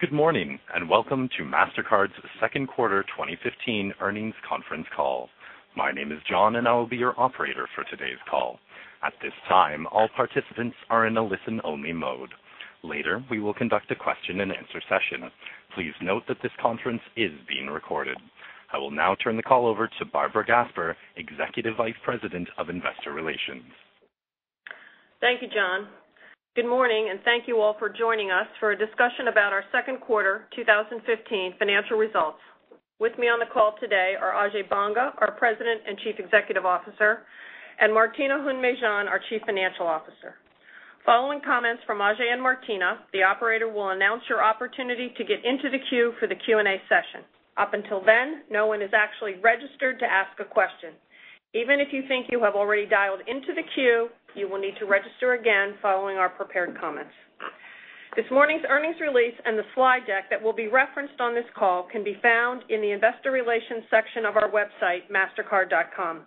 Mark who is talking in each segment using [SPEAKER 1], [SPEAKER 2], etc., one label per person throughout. [SPEAKER 1] Good morning, welcome to Mastercard's second quarter 2015 earnings conference call. My name is John, and I will be your operator for today's call. At this time, all participants are in a listen-only mode. Later, we will conduct a question-and-answer session. Please note that this conference is being recorded. I will now turn the call over to Barbara Gasper, Executive Vice President of Investor Relations.
[SPEAKER 2] Thank you, John. Good morning, thank you all for joining us for a discussion about our second quarter 2015 financial results. With me on the call today are Ajay Banga, our President and Chief Executive Officer, and Martina Hund-Mejean, our Chief Financial Officer. Following comments from Ajay and Martina, the operator will announce your opportunity to get into the queue for the Q&A session. Up until then, no one is actually registered to ask a question. Even if you think you have already dialed into the queue, you will need to register again following our prepared comments. This morning's earnings release and the slide deck that will be referenced on this call can be found in the investor relations section of our website, mastercard.com.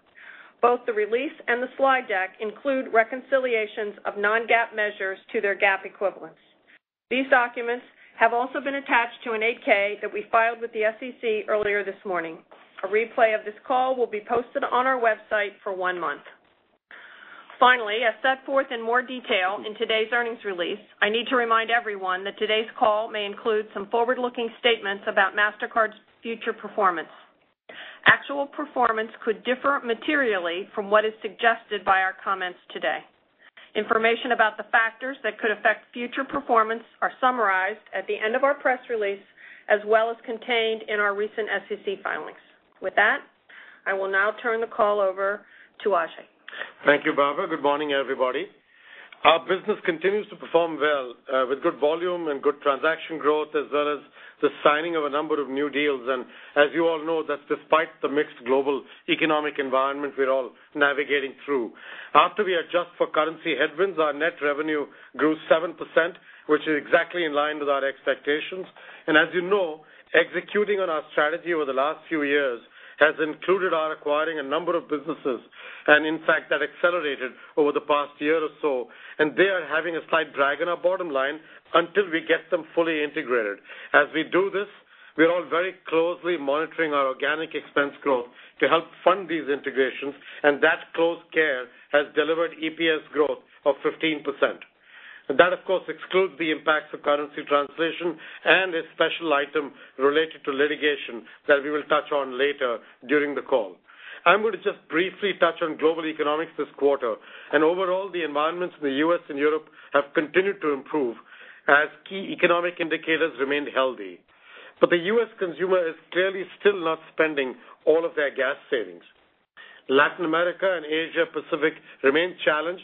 [SPEAKER 2] Both the release and the slide deck include reconciliations of non-GAAP measures to their GAAP equivalents. These documents have also been attached to an 8-K that we filed with the SEC earlier this morning. A replay of this call will be posted on our website for one month. Finally, as set forth in more detail in today's earnings release, I need to remind everyone that today's call may include some forward-looking statements about Mastercard's future performance. Actual performance could differ materially from what is suggested by our comments today. Information about the factors that could affect future performance are summarized at the end of our press release, as well as contained in our recent SEC filings. With that, I will now turn the call over to Ajay.
[SPEAKER 3] Thank you, Barbara. Good morning, everybody. Our business continues to perform well with good volume and good transaction growth, as well as the signing of a number of new deals as you all know that despite the mixed global economic environment we're all navigating through. After we adjust for currency headwinds, our net revenue grew 7%, which is exactly in line with our expectations. As you know, executing on our strategy over the last few years has included our acquiring a number of businesses, in fact, that accelerated over the past year or so, they are having a slight drag on our bottom line until we get them fully integrated. As we do this, we are all very closely monitoring our organic expense growth to help fund these integrations, that close care has delivered EPS growth of 15%. That, of course, excludes the impacts of currency translation and a special item related to litigation that we will touch on later during the call. I'm going to just briefly touch on global economics this quarter. Overall, the environments in the U.S. and Europe have continued to improve as key economic indicators remained healthy. The U.S. consumer is clearly still not spending all of their gas savings. Latin America and Asia-Pacific remain challenged,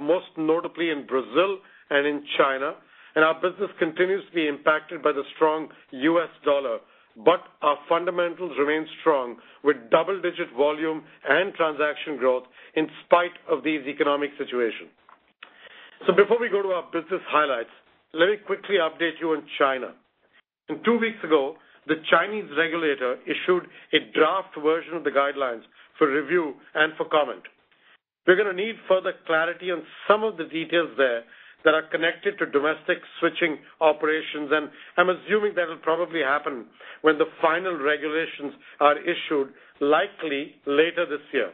[SPEAKER 3] most notably in Brazil and in China, and our business continues to be impacted by the strong U.S. dollar. Our fundamentals remain strong with double-digit volume and transaction growth in spite of these economic situations. Before we go to our business highlights, let me quickly update you on China. Two weeks ago, the Chinese regulator issued a draft version of the guidelines for review and for comment. We're going to need further clarity on some of the details there that are connected to domestic switching operations, and I'm assuming that'll probably happen when the final regulations are issued, likely later this year.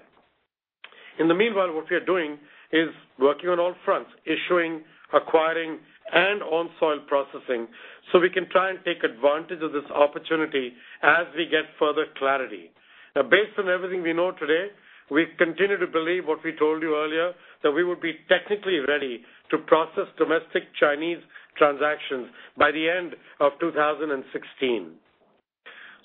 [SPEAKER 3] In the meanwhile, what we are doing is working on all fronts: issuing, acquiring, and on-soil processing, so we can try and take advantage of this opportunity as we get further clarity. Based on everything we know today, we continue to believe what we told you earlier, that we would be technically ready to process domestic Chinese transactions by the end of 2016.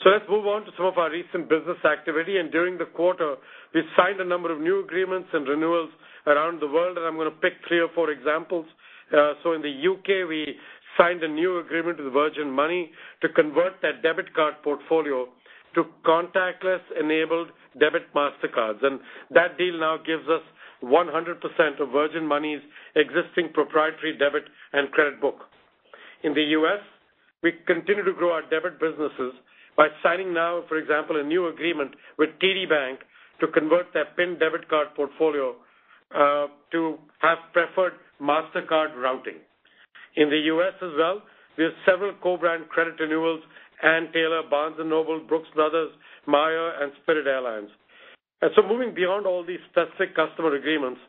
[SPEAKER 3] Let's move on to some of our recent business activity. During the quarter, we signed a number of new agreements and renewals around the world, and I'm going to pick three or four examples. In the U.K., we signed a new agreement with Virgin Money to convert their debit card portfolio to contactless-enabled debit Mastercards. That deal now gives us 100% of Virgin Money's existing proprietary debit and credit book. In the U.S., we continue to grow our debit businesses by signing now, for example, a new agreement with TD Bank to convert their PIN debit card portfolio to have preferred Mastercard routing. In the U.S. as well, we have several co-brand credit renewals: Ann Taylor, Barnes & Noble, Brooks Brothers, Meijer, and Spirit Airlines. Moving beyond all these specific customer agreements,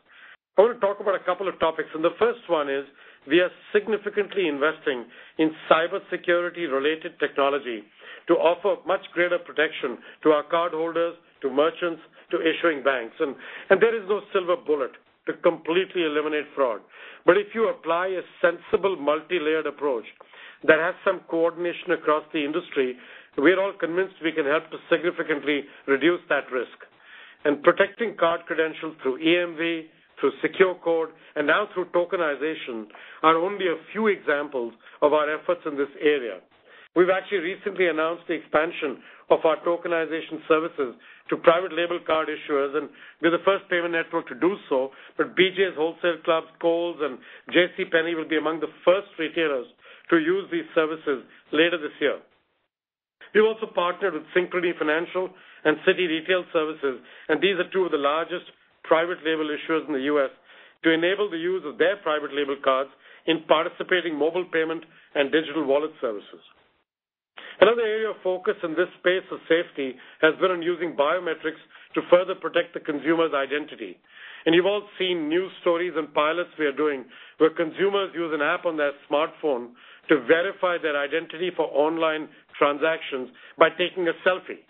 [SPEAKER 3] I want to talk about a couple of topics, and the first one is we are significantly investing in cybersecurity-related technology to offer much greater protection to our cardholders, to merchants, to issuing banks. There is no silver bullet to completely eliminate fraud. If you apply a sensible multi-layered approach that has some coordination across the industry, we are all convinced we can help to significantly reduce that risk. Protecting card credentials through EMV, through SecureCode, and now through tokenization are only a few examples of our efforts in this area. We've actually recently announced the expansion of our tokenization services to private label card issuers, and we're the first payment network to do so. BJ's Wholesale Club, Kohl's, and JCPenney will be among the first retailers to use these services later this year. We've also partnered with Synchrony Financial and Citi Retail Services, and these are two of the largest private label issuers in the U.S., to enable the use of their private label cards in participating mobile payment and digital wallet services. Another area of focus in this space of safety has been on using biometrics to further protect the consumer's identity. You've all seen news stories and pilots we are doing where consumers use an app on their smartphone to verify their identity for online transactions by taking a selfie.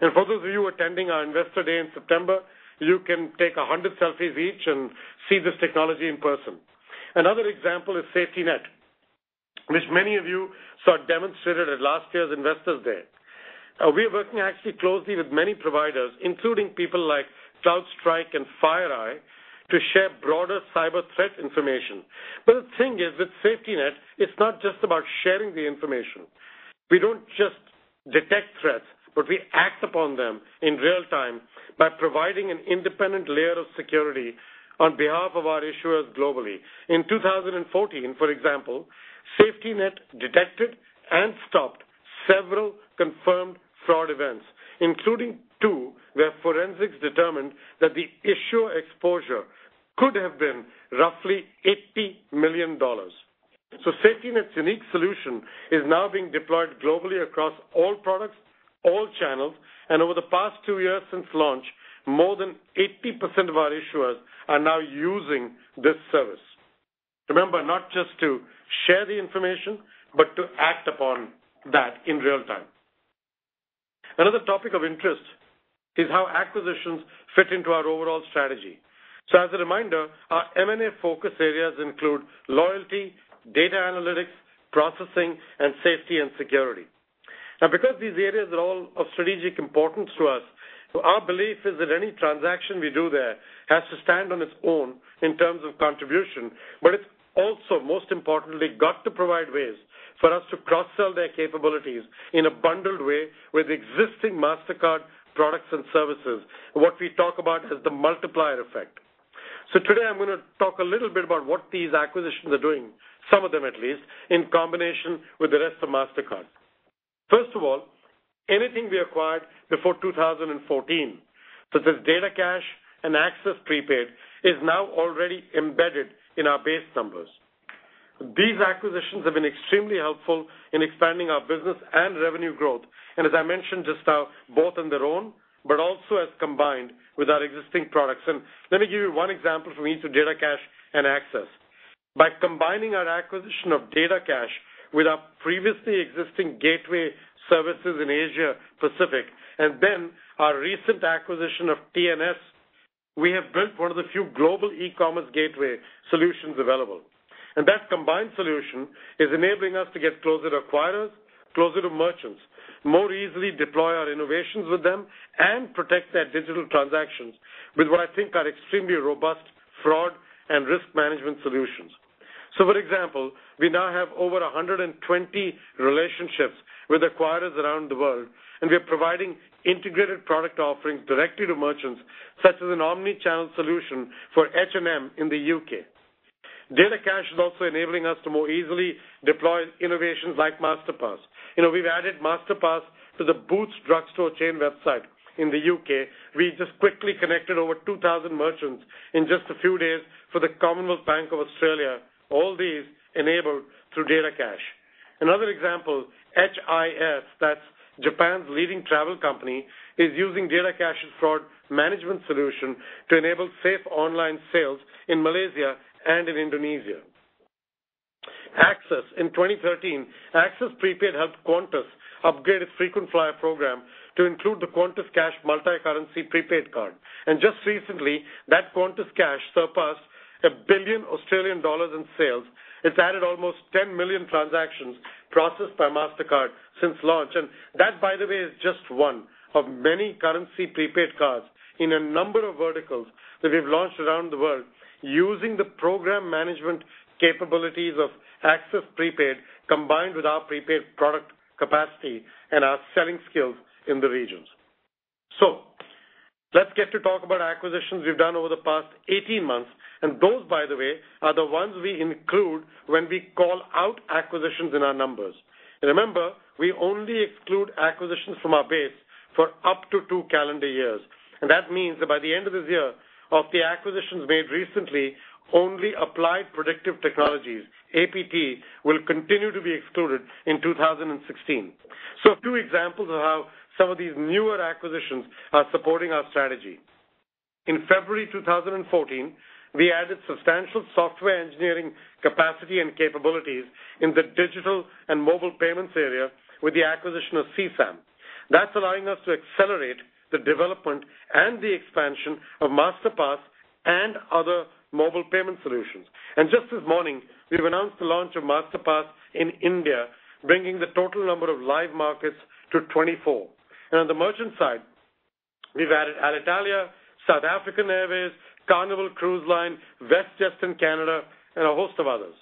[SPEAKER 3] For those of you attending our Investor Day in September, you can take 100 selfies each and see this technology in person. Another example is SafetyNet, which many of you saw demonstrated at last year's Investor Day. We are working actually closely with many providers, including people like CrowdStrike and FireEye, to share broader cyber threat information. The thing is, with SafetyNet, it's not just about sharing the information. We don't just detect threats, but we act upon them in real-time by providing an independent layer of security on behalf of our issuers globally. In 2014, for example, SafetyNet detected and stopped several confirmed fraud events, including two where forensics determined that the issuer exposure could have been roughly $80 million. SafetyNet's unique solution is now being deployed globally across all products, all channels, and over the past two years since launch, more than 80% of our issuers are now using this service. Remember, not just to share the information, but to act upon that in real-time. Another topic of interest is how acquisitions fit into our overall strategy. As a reminder, our M&A focus areas include loyalty, data analytics, processing, and safety and security. Because these areas are all of strategic importance to us, our belief is that any transaction we do there has to stand on its own in terms of contribution, but it's also, most importantly, got to provide ways for us to cross-sell their capabilities in a bundled way with existing Mastercard products and services. What we talk about is the multiplier effect. Today I'm going to talk a little bit about what these acquisitions are doing, some of them at least, in combination with the rest of Mastercard. First of all, anything we acquired before 2014, such as DataCash and Access Prepaid, is now already embedded in our base numbers. These acquisitions have been extremely helpful in expanding our business and revenue growth, and as I mentioned just now, both on their own, but also as combined with our existing products. Let me give you one example from each of DataCash and Access. By combining our acquisition of DataCash with our previously existing gateway services in Asia Pacific, our recent acquisition of TNS, we have built one of the few global e-commerce gateway solutions available. That combined solution is enabling us to get closer to acquirers, closer to merchants, more easily deploy our innovations with them, and protect their digital transactions with what I think are extremely robust fraud and risk management solutions. For example, we now have over 120 relationships with acquirers around the world, and we are providing integrated product offerings directly to merchants, such as an omni-channel solution for H&M in the U.K. DataCash is also enabling us to more easily deploy innovations like Masterpass. We've added Masterpass to the Boots drugstore chain website in the U.K. We just quickly connected over 2,000 merchants in just a few days for the Commonwealth Bank of Australia, all these enabled through DataCash. Another example, H.I.S., that's Japan's leading travel company, is using DataCash's fraud management solution to enable safe online sales in Malaysia and in Indonesia. In 2013, Access Prepaid helped Qantas upgrade its frequent flyer program to include the Qantas Cash multicurrency prepaid card. Just recently, that Qantas Cash surpassed 1 billion Australian dollars in sales. It's added almost 10 million transactions processed by Mastercard since launch. That, by the way, is just one of many currency prepaid cards in a number of verticals that we've launched around the world using the program management capabilities of Access Prepaid combined with our prepaid product capacity and our selling skills in the regions. Let's get to talk about acquisitions we've done over the past 18 months, and those, by the way, are the ones we include when we call out acquisitions in our numbers. Remember, we only exclude acquisitions from our base for up to two calendar years. That means that by the end of this year, of the acquisitions made recently, only Applied Predictive Technologies, APT, will continue to be excluded in 2016. A few examples of how some of these newer acquisitions are supporting our strategy. In February 2014, we added substantial software engineering capacity and capabilities in the digital and mobile payments area with the acquisition of C-SAM. That's allowing us to accelerate the development and the expansion of Masterpass and other mobile payment solutions. Just this morning, we've announced the launch of Masterpass in India, bringing the total number of live markets to 24. On the merchant side, we've added Alitalia, South African Airways, Carnival Cruise Line, WestJet in Canada, and a host of others.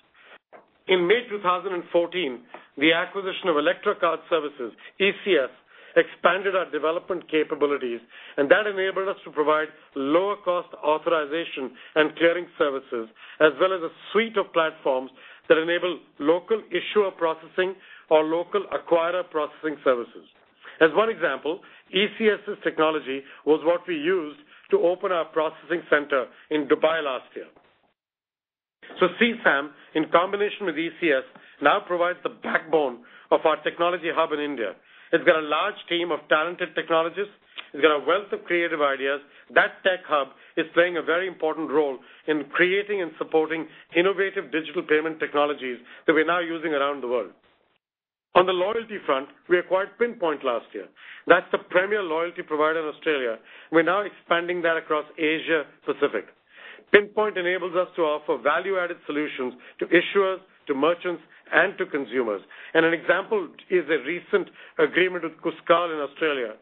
[SPEAKER 3] In May 2014, the acquisition of ElectraCard Services, ECS, expanded our development capabilities, and that enabled us to provide lower-cost authorization and clearing services, as well as a suite of platforms that enable local issuer processing or local acquirer processing services. As one example, ECS's technology was what we used to open our processing center in Dubai last year. C-SAM, in combination with ECS, now provides the backbone of our technology hub in India. It's got a large team of talented technologists. It's got a wealth of creative ideas. That tech hub is playing a very important role in creating and supporting innovative digital payment technologies that we're now using around the world. On the loyalty front, we acquired Pinpoint last year. That's the premier loyalty provider in Australia. We're now expanding that across Asia Pacific. Pinpoint enables us to offer value-added solutions to issuers, to merchants, and to consumers. An example is a recent agreement with Cuscal in Australia,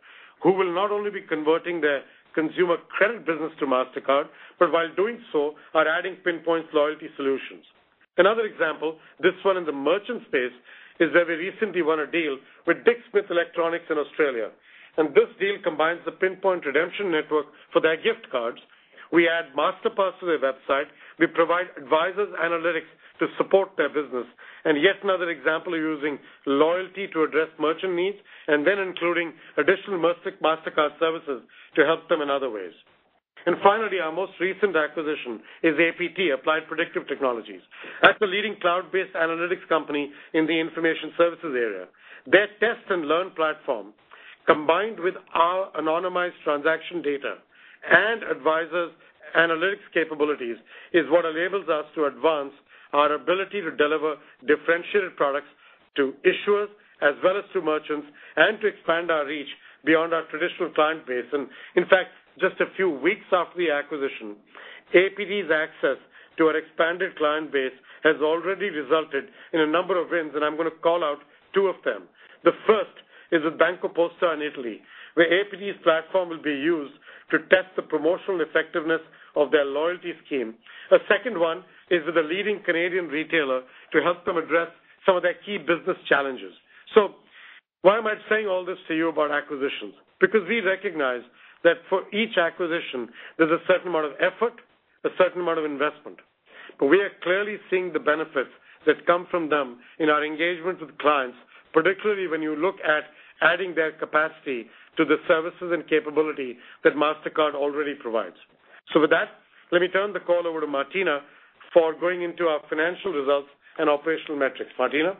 [SPEAKER 3] who will not only be converting their consumer credit business to Mastercard, but while doing so, are adding Pinpoint's loyalty solutions. Another example, this one in the merchant space, is where we recently won a deal with Dick Smith Electronics in Australia, this deal combines the Pinpoint redemption network for their gift cards. We add Masterpass to their website. We provide Advisors Analytics to support their business. Yet another example of using loyalty to address merchant needs and then including additional Mastercard services to help them in other ways. Finally, our most recent acquisition is APT, Applied Predictive Technologies. That's a leading cloud-based analytics company in the information services area. Their Test & Learn platform, combined with our anonymized transaction data and Advisors Analytics capabilities, is what enables us to advance our ability to deliver differentiated products to issuers as well as to merchants, and to expand our reach beyond our traditional client base. In fact, just a few weeks after the acquisition, APT's access to our expanded client base has already resulted in a number of wins, and I'm going to call out two of them. The first is with BancoPosta in Italy, where APT's platform will be used to test the promotional effectiveness of their loyalty scheme. The second one is with a leading Canadian retailer to help them address some of their key business challenges. Why am I saying all this to you about acquisitions? We recognize that for each acquisition, there's a certain amount of effort, a certain amount of investment. We are clearly seeing the benefits that come from them in our engagement with clients, particularly when you look at adding their capacity to the services and capability that Mastercard already provides. With that, let me turn the call over to Martina for going into our financial results and operational metrics. Martina?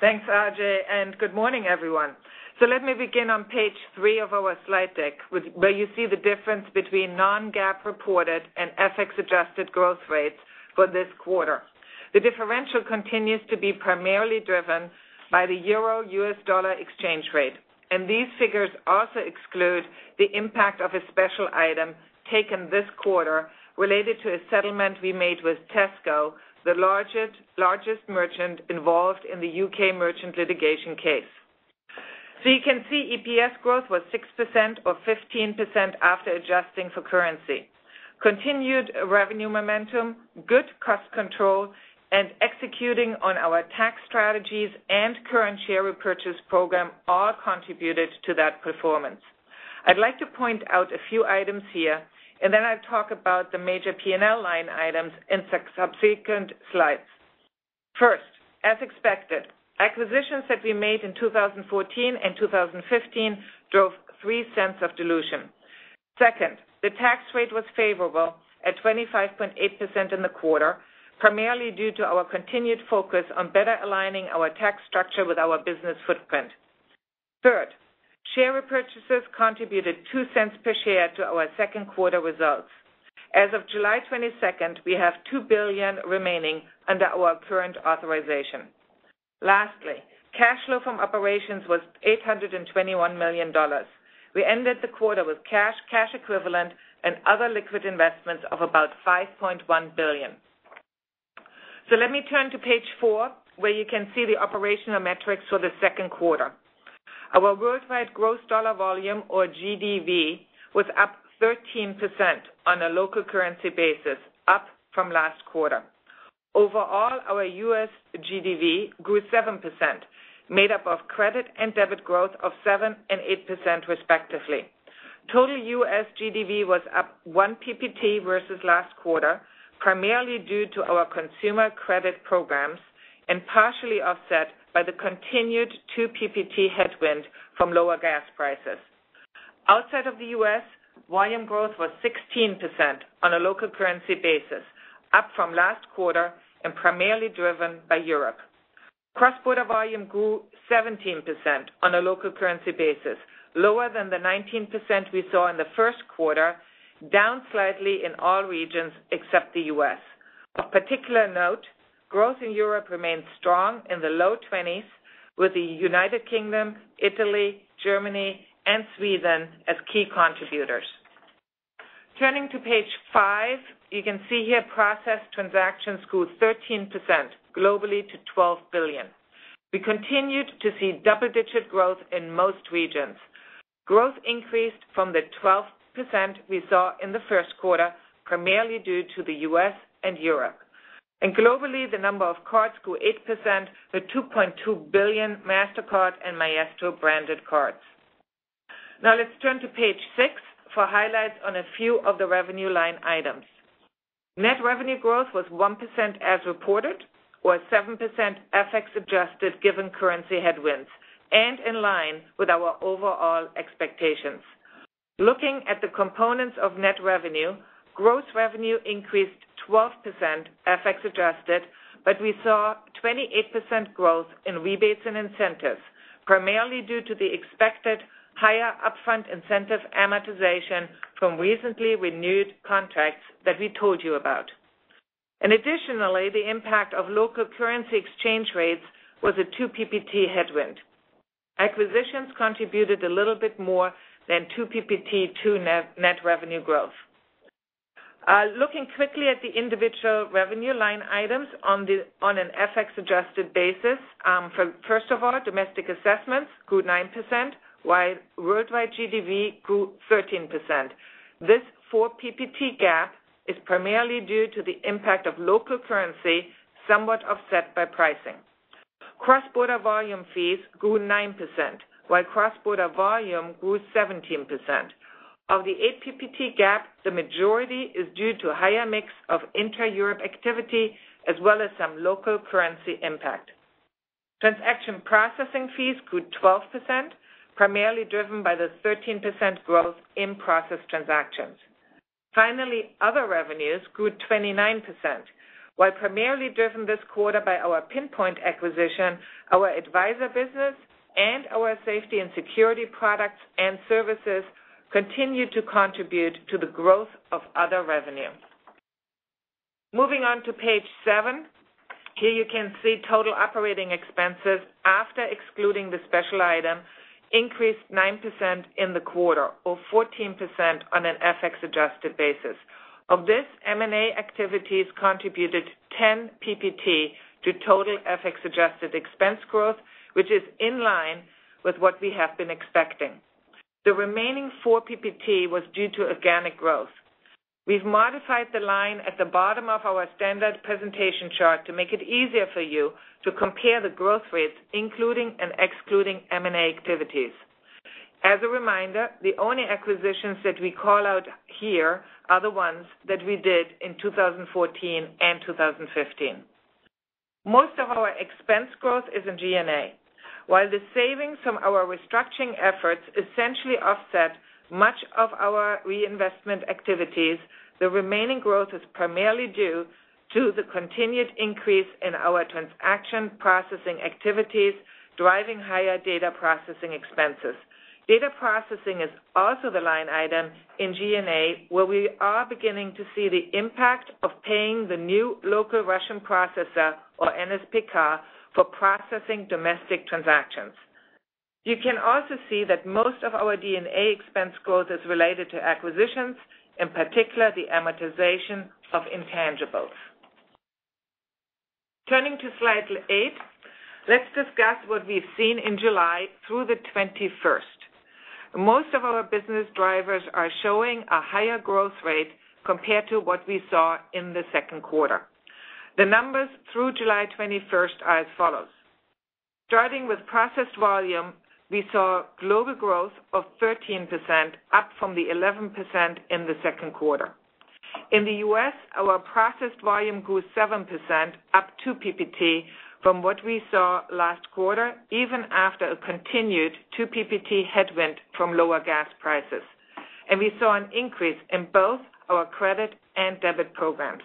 [SPEAKER 4] Thanks, Ajay, and good morning, everyone. Let me begin on page three of our slide deck, where you see the difference between non-GAAP-reported and FX-adjusted growth rates for this quarter. The differential continues to be primarily driven by the euro-U.S. dollar exchange rate, and these figures also exclude the impact of a special item taken this quarter related to a settlement we made with Tesco, the largest merchant involved in the U.K. merchant litigation case. You can see EPS growth was 6% or 15% after adjusting for currency. Continued revenue momentum, good cost control, and executing on our tax strategies and current share repurchase program all contributed to that performance. I'd like to point out a few items here, and then I'll talk about the major P&L line items in subsequent slides. First, as expected, acquisitions that we made in 2014 and 2015 drove $0.03 of dilution. Second, the tax rate was favorable at 25.8% in the quarter, primarily due to our continued focus on better aligning our tax structure with our business footprint. Third, share repurchases contributed $0.02 per share to our second quarter results. As of July 22nd, we have $2 billion remaining under our current authorization. Lastly, cash flow from operations was $821 million. We ended the quarter with cash equivalent, and other liquid investments of about $5.1 billion. Let me turn to page four, where you can see the operational metrics for the second quarter. Our worldwide gross dollar volume or GDV was up 13% on a local currency basis, up from last quarter. Overall, our U.S. GDV grew 7%, made up of credit and debit growth of 7% and 8% respectively. Total U.S. GDV was up one PPT versus last quarter, primarily due to our consumer credit programs and partially offset by the continued two PPT headwind from lower gas prices. Outside of the U.S., volume growth was 16% on a local currency basis, up from last quarter and primarily driven by Europe. Cross-border volume grew 17% on a local currency basis, lower than the 19% we saw in the first quarter, down slightly in all regions except the U.S. Of particular note, growth in Europe remained strong in the low 20s with the United Kingdom, Italy, Germany, and Sweden as key contributors. Turning to page five, you can see here processed transactions grew 13% globally to $12 billion. We continued to see double-digit growth in most regions. Growth increased from the 12% we saw in the first quarter, primarily due to the U.S. and Europe. Globally, the number of cards grew 8%, with $2.2 billion Mastercard and Maestro branded cards. Let's turn to page six for highlights on a few of the revenue line items. Net revenue growth was 1% as reported, or 7% FX adjusted given currency headwinds, in line with our overall expectations. Looking at the components of net revenue, gross revenue increased 12% FX adjusted, we saw 28% growth in rebates and incentives, primarily due to the expected higher upfront incentive amortization from recently renewed contracts that we told you about. Additionally, the impact of local currency exchange rates was a two PPT headwind. Acquisitions contributed a little bit more than two PPT to net revenue growth. Looking quickly at the individual revenue line items on an FX adjusted basis. First of all, domestic assessments grew 9%, while worldwide GDV grew 13%. This four PPT gap is primarily due to the impact of local currency, somewhat offset by pricing. Cross-border volume fees grew 9%, while cross-border volume grew 17%. Of the eight PPT gap, the majority is due to a higher mix of inter-Europe activity, as well as some local currency impact. Transaction processing fees grew 12%, primarily driven by the 13% growth in processed transactions. Finally, other revenues grew 29%, primarily driven this quarter by our Pinpoint acquisition, our Mastercard Advisors business, and our SafetyNet products and services continue to contribute to the growth of other revenue. Moving on to page seven. Here you can see total operating expenses after excluding the special item increased 9% in the quarter, or 14% on an FX adjusted basis. Of this, M&A activities contributed 10 PPT to total FX adjusted expense growth, which is in line with what we have been expecting. The remaining four PPT was due to organic growth. We've modified the line at the bottom of our standard presentation chart to make it easier for you to compare the growth rates, including and excluding M&A activities. As a reminder, the only acquisitions that we call out here are the ones that we did in 2014 and 2015. Most of our expense growth is in G&A. While the savings from our restructuring efforts essentially offset much of our reinvestment activities, the remaining growth is primarily due to the continued increase in our transaction processing activities, driving higher data processing expenses. Data processing is also the line item in G&A, where we are beginning to see the impact of paying the new local Russian processor, or NSPK, for processing domestic transactions. You can also see that most of our G&A expense growth is related to acquisitions, in particular, the amortization of intangibles. Turning to slide eight. Let's discuss what we've seen in July through the 21st. Most of our business drivers are showing a higher growth rate compared to what we saw in the second quarter. The numbers through July 21st are as follows. Starting with processed volume, we saw global growth of 13%, up from the 11% in the second quarter. In the U.S., our processed volume grew 7%, up two PPT from what we saw last quarter, even after a continued two PPT headwind from lower gas prices. We saw an increase in both our credit and debit programs.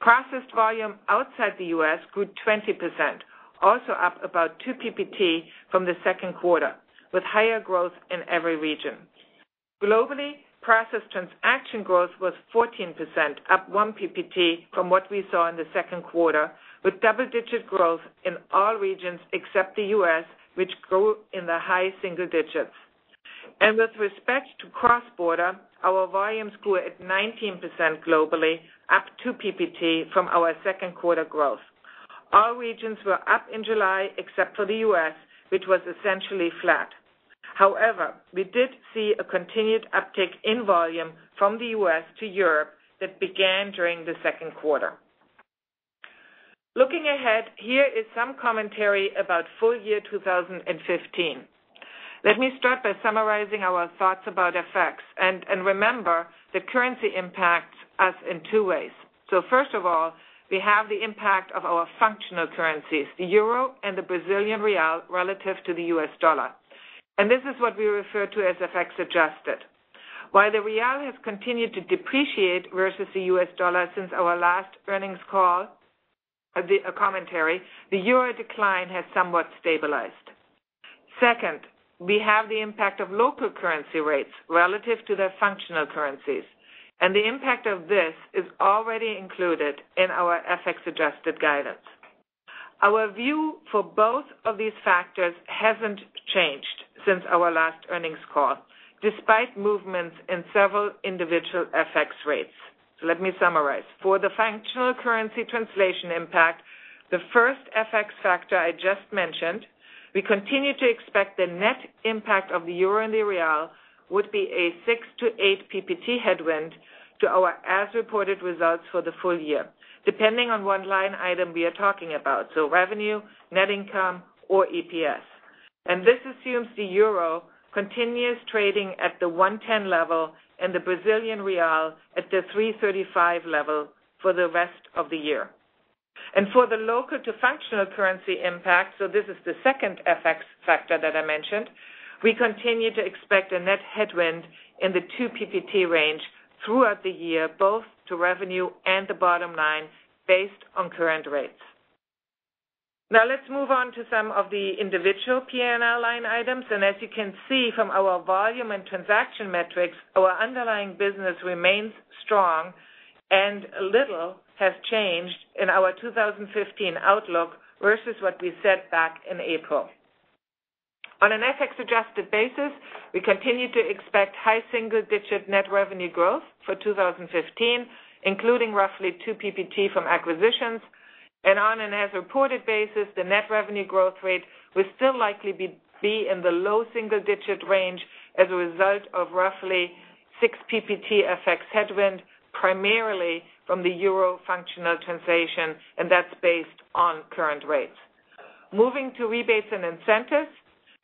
[SPEAKER 4] Processed volume outside the U.S. grew 20%, also up about two PPT from the second quarter, with higher growth in every region. Globally, processed transaction growth was 14%, up one PPT from what we saw in the second quarter, with double-digit growth in all regions except the U.S., which grew in the high single digits. With respect to cross-border, our volumes grew at 19% globally, up two PPT from our second quarter growth. All regions were up in July except for the U.S., which was essentially flat. However, we did see a continued uptick in volume from the U.S. to Europe that began during the second quarter. Looking ahead, here is some commentary about full year 2015. Let me start by summarizing our thoughts about FX. Remember the currency impacts us in two ways. First of all, we have the impact of our functional currencies, the euro and the Brazilian real relative to the U.S. dollar. This is what we refer to as FX adjusted. While the real has continued to depreciate versus the U.S. dollar since our last earnings call commentary, the euro decline has somewhat stabilized. Second, we have the impact of local currency rates relative to their functional currencies, and the impact of this is already included in our FX adjusted guidance. Our view for both of these factors hasn't changed since our last earnings call. Despite movements in several individual FX rates. Let me summarize. For the functional currency translation impact, the first FX factor I just mentioned, we continue to expect the net impact of the euro and the real would be a six to eight PPT headwind to our as-reported results for the full year, depending on what line item we are talking about, so revenue, net income or EPS. This assumes the euro continues trading at the 110 level and the Brazilian real at the 335 level for the rest of the year. For the local to functional currency impact, this is the second FX factor that I mentioned, we continue to expect a net headwind in the two PPT range throughout the year, both to revenue and the bottom line based on current rates. Now let's move on to some of the individual P&L line items. As you can see from our volume and transaction metrics, our underlying business remains strong and little has changed in our 2015 outlook versus what we said back in April. On an FX-adjusted basis, we continue to expect high single-digit net revenue growth for 2015, including roughly two PPT from acquisitions. On an as-reported basis, the net revenue growth rate will still likely be in the low single-digit range as a result of roughly 6 PPT FX headwind, primarily from the euro functional translation, and that's based on current rates. Moving to rebates and incentives,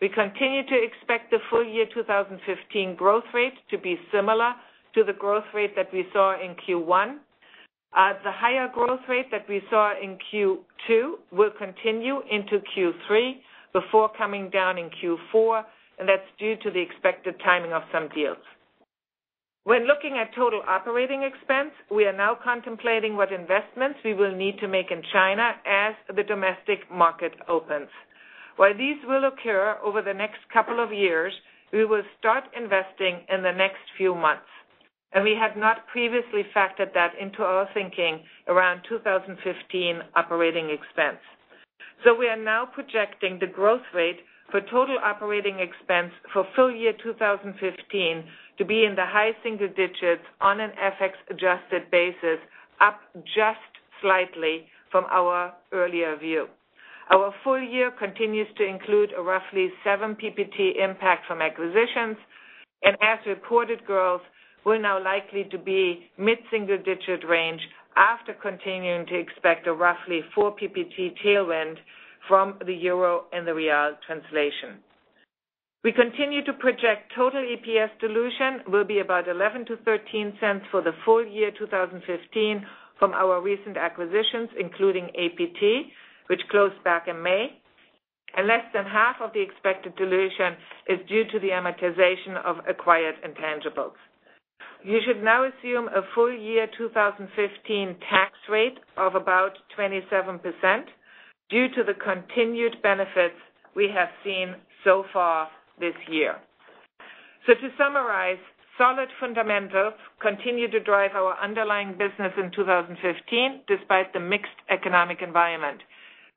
[SPEAKER 4] we continue to expect the full year 2015 growth rate to be similar to the growth rate that we saw in Q1. The higher growth rate that we saw in Q2 will continue into Q3 before coming down in Q4, and that's due to the expected timing of some deals. When looking at total operating expense, we are now contemplating what investments we will need to make in China as the domestic market opens. While these will occur over the next couple of years, we will start investing in the next few months, and we had not previously factored that into our thinking around 2015 operating expense. We are now projecting the growth rate for total operating expense for full year 2015 to be in the high single digits on an FX adjusted basis, up just slightly from our earlier view. Our full year continues to include a roughly 7 PPT impact from acquisitions and as-reported growth will now likely to be mid-single digit range after continuing to expect a roughly 4 PPT tailwind from the euro and the real translation. We continue to project total EPS dilution will be about $0.11-$0.13 for the full year 2015 from our recent acquisitions, including APT, which closed back in May, and less than half of the expected dilution is due to the amortization of acquired intangibles. You should now assume a full year 2015 tax rate of about 27% due to the continued benefits we have seen so far this year. To summarize, solid fundamentals continue to drive our underlying business in 2015, despite the mixed economic environment.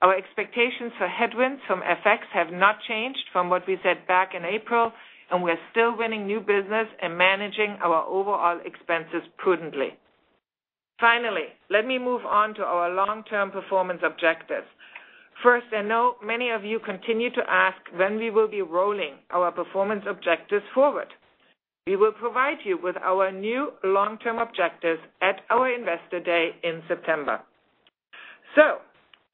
[SPEAKER 4] Our expectations for headwinds from FX have not changed from what we said back in April, and we're still winning new business and managing our overall expenses prudently. Finally, let me move on to our long-term performance objectives. First, I know many of you continue to ask when we will be rolling our performance objectives forward. We will provide you with our new long-term objectives at our Investor Day in September.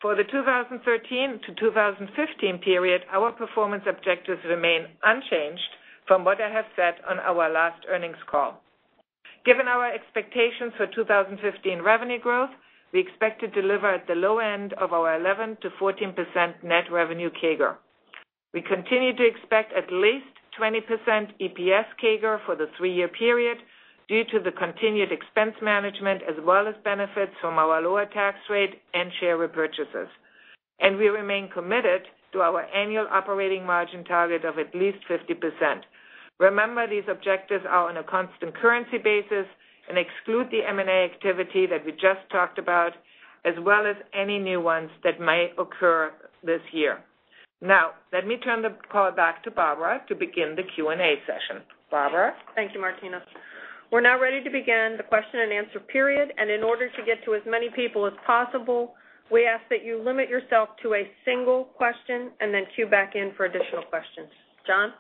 [SPEAKER 4] For the 2013-2015 period, our performance objectives remain unchanged from what I have said on our last earnings call. Given our expectations for 2015 revenue growth, we expect to deliver at the low end of our 11%-14% net revenue CAGR. We continue to expect at least 20% EPS CAGR for the three-year period due to the continued expense management as well as benefits from our lower tax rate and share repurchases. We remain committed to our annual operating margin target of at least 50%. Remember, these objectives are on a constant currency basis and exclude the M&A activity that we just talked about as well as any new ones that might occur this year. Let me turn the call back to Barbara to begin the Q&A session. Barbara?
[SPEAKER 2] Thank you, Martina. We're now ready to begin the question-and-answer period. In order to get to as many people as possible, we ask that you limit yourself to a single question and then queue back in for additional questions. John?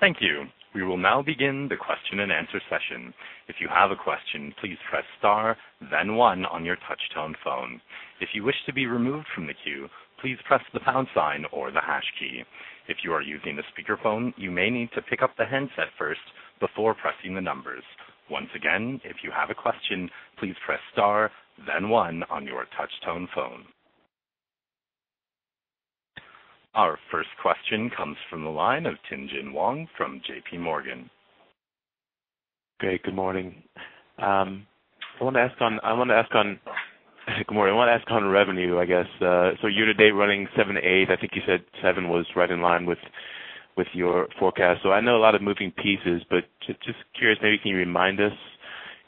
[SPEAKER 1] Thank you. We will now begin the question-and-answer session. If you have a question, please press star then one on your touch tone phone. If you wish to be removed from the queue, please press the pound sign or the hash key. If you are using a speakerphone, you may need to pick up the handset first before pressing the numbers. Once again, if you have a question, please press star then one on your touch tone phone. Our first question comes from the line of Tien-tsin Huang from J.P. Morgan.
[SPEAKER 5] Okay, good morning. I want to ask on revenue, I guess. Year to date, running seven to eight, I think you said seven was right in line with your forecast. I know a lot of moving pieces, but just curious, maybe can you remind us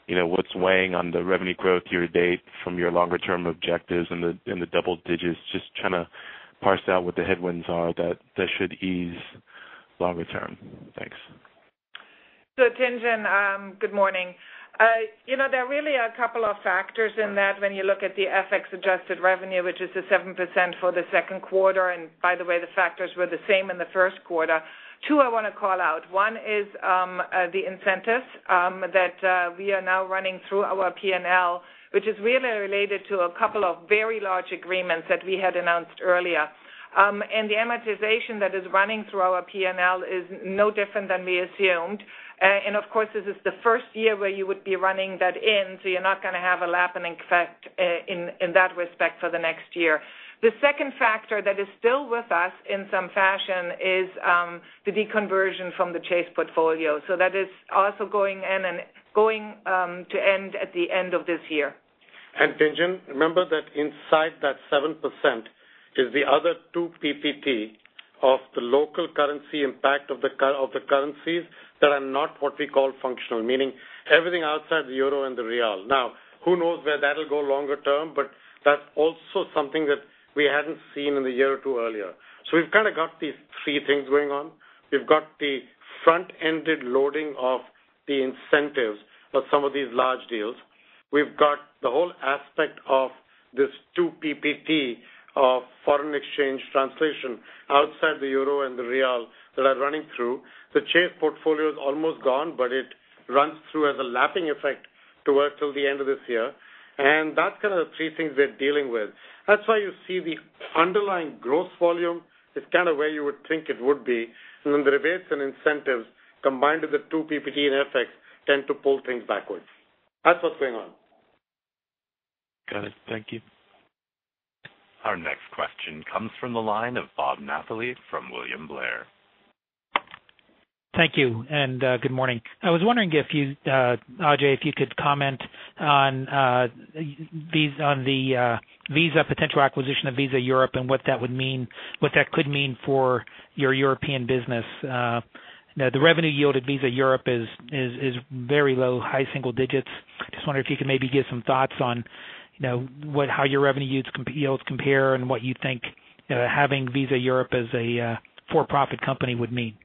[SPEAKER 5] What's weighing on the revenue growth year-to-date from your longer-term objectives in the double digits? Just trying to parse out what the headwinds are that should ease longer term. Thanks.
[SPEAKER 4] Tien-tsin, good morning. There really are a couple of factors in that when you look at the FX-adjusted revenue, which is the 7% for the second quarter, and by the way, the factors were the same in the first quarter. 2 I want to call out. One is the incentives that we are now running through our P&L, which is really related to a couple of very large agreements that we had announced earlier. The amortization that is running through our P&L is no different than we assumed. Of course, this is the first year where you would be running that in, so you're not going to have a lapping effect in that respect for the next year. The second factor that is still with us in some fashion is the deconversion from the Chase portfolio. That is also going in and going to end at the end of this year.
[SPEAKER 3] Tien-tsin, remember that inside that 7% is the other 2 ppt of the local currency impact of the currencies that are not what we call functional, meaning everything outside the euro and the Brazilian real. Now, who knows where that'll go longer term, but that's also something that we hadn't seen in the year or 2 earlier. We've kind of got these 3 things going on. We've got the front-ended loading of the incentives of some of these large deals. We've got the whole aspect of this 2 ppt of foreign exchange translation outside the euro and the Brazilian real that are running through. The Chase portfolio is almost gone, but it runs through as a lapping effect to work till the end of this year. That's kind of the 3 things we're dealing with. That's why you see the underlying growth volume is kind of where you would think it would be. The rebates and incentives, combined with the 2 ppt in FX, tend to pull things backwards. That's what's going on.
[SPEAKER 5] Got it. Thank you.
[SPEAKER 1] Our next question comes from the line of Bob Napoli from William Blair.
[SPEAKER 6] Thank you. Good morning. I was wondering, Ajay, if you could comment on the Visa potential acquisition of Visa Europe and what that could mean for your European business. The revenue yield at Visa Europe is very low, high single digits. Just wondering if you could maybe give some thoughts on how your revenue yields compare and what you think having Visa Europe as a for-profit company would mean.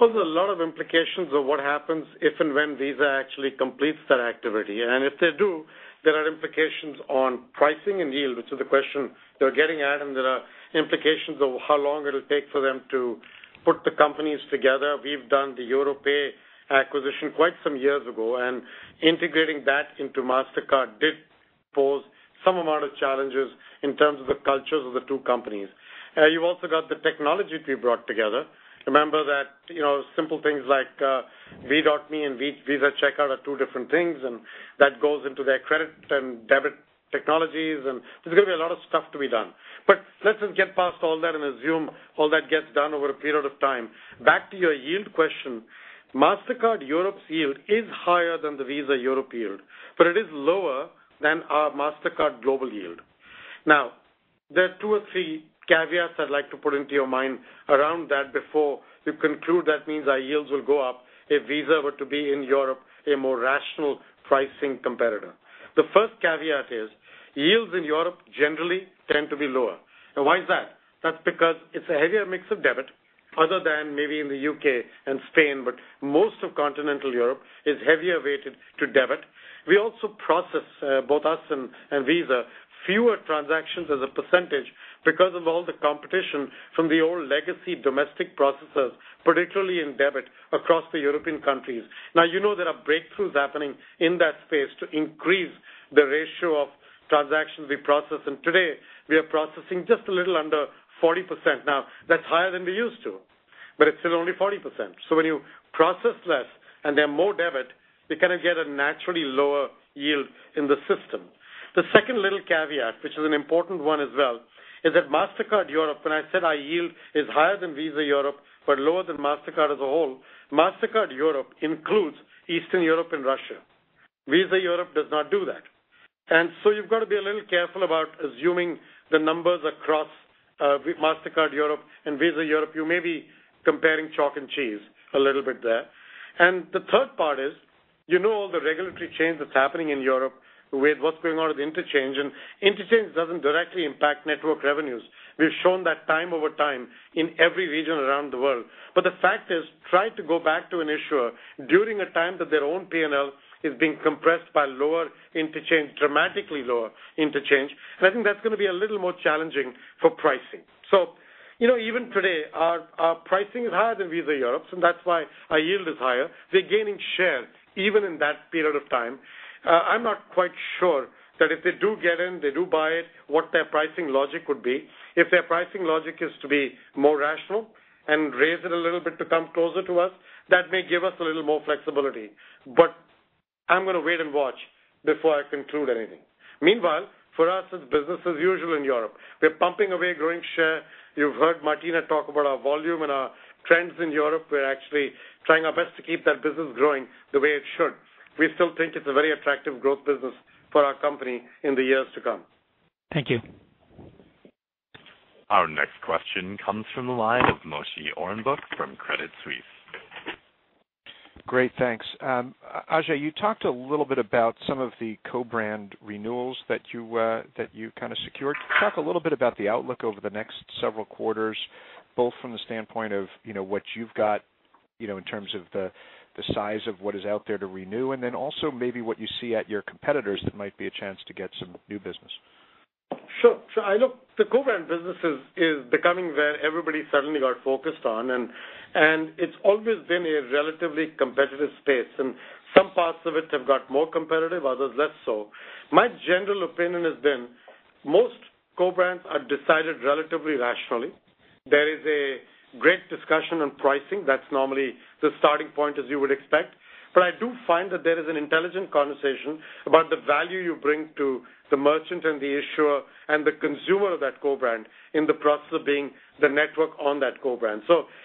[SPEAKER 3] Well, there's a lot of implications of what happens if and when Visa actually completes that activity. If they do, there are implications on pricing and yield, which is the question you're getting at. There are implications of how long it'll take for them to put the companies together. We've done the Europay acquisition quite some years ago, and integrating that into Mastercard did pose some amount of challenges in terms of the cultures of the two companies. You've also got the technology to be brought together. Remember that simple things like V.me and Visa Checkout are two different things. That goes into their credit and debit technologies. There's going to be a lot of stuff to be done. Let's just get past all that. Assume all that gets done over a period of time. Back to your yield question. Mastercard Europe's yield is higher than the Visa Europe yield, it is lower than our Mastercard global yield. There are 2 or 3 caveats I'd like to put into your mind around that before you conclude that means our yields will go up if Visa were to be in Europe, a more rational pricing competitor. The first caveat is yields in Europe generally tend to be lower. Why is that? That's because it's a heavier mix of debit other than maybe in the U.K. and Spain, most of continental Europe is heavier weighted to debit. We also process, both us and Visa, fewer transactions as a percentage because of all the competition from the old legacy domestic processors, particularly in debit across the European countries. You know there are breakthroughs happening in that space to increase the ratio of transactions we process, today we are processing just a little under 40%. That's higher than we used to, it's still only 40%. When you process less and they're more debit, you're going to get a naturally lower yield in the system. The second little caveat, which is an important one as well, is that Mastercard Europe, when I said our yield is higher than Visa Europe but lower than Mastercard as a whole, Mastercard Europe includes Eastern Europe and Russia. Visa Europe does not do that. You've got to be a little careful about assuming the numbers across Mastercard Europe and Visa Europe. You may be comparing chalk and cheese a little bit there. The third part is, you know all the regulatory change that's happening in Europe with what's going on with interchange, and interchange doesn't directly impact network revenues. We've shown that time over time in every region around the world. The fact is, try to go back to an issuer during a time that their own P&L is being compressed by lower interchange, dramatically lower interchange. I think that's going to be a little more challenging for pricing. Even today, our pricing is higher than Visa Europe's, and that's why our yield is higher. They're gaining share even in that period of time. I'm not quite sure that if they do get in, they do buy it, what their pricing logic would be. If their pricing logic is to be more rational and raise it a little bit to come closer to us, that may give us a little more flexibility. I'm going to wait and watch before I conclude anything. Meanwhile, for us, it's business as usual in Europe. We're pumping away growing share. You've heard Martina talk about our volume and our trends in Europe. We're actually trying our best to keep that business growing the way it should. We still think it's a very attractive growth business for our company in the years to come.
[SPEAKER 6] Thank you.
[SPEAKER 1] Our next question comes from the line of Moshe Orenbuch from Credit Suisse.
[SPEAKER 7] Great. Thanks. Ajay, you talked a little bit about some of the co-brand renewals that you secured. Talk a little bit about the outlook over the next several quarters, both from the standpoint of what you've got in terms of the size of what is out there to renew, also maybe what you see at your competitors that might be a chance to get some new business.
[SPEAKER 3] Sure. Look, the co-brand business is becoming where everybody suddenly got focused on. It's always been a relatively competitive space, some parts of it have got more competitive, others less so. My general opinion has been most co-brands are decided relatively rationally. There is a great discussion on pricing. That's normally the starting point, as you would expect. I do find that there is an intelligent conversation about the value you bring to the merchant and the issuer and the consumer of that co-brand in the process of being the network on that co-brand.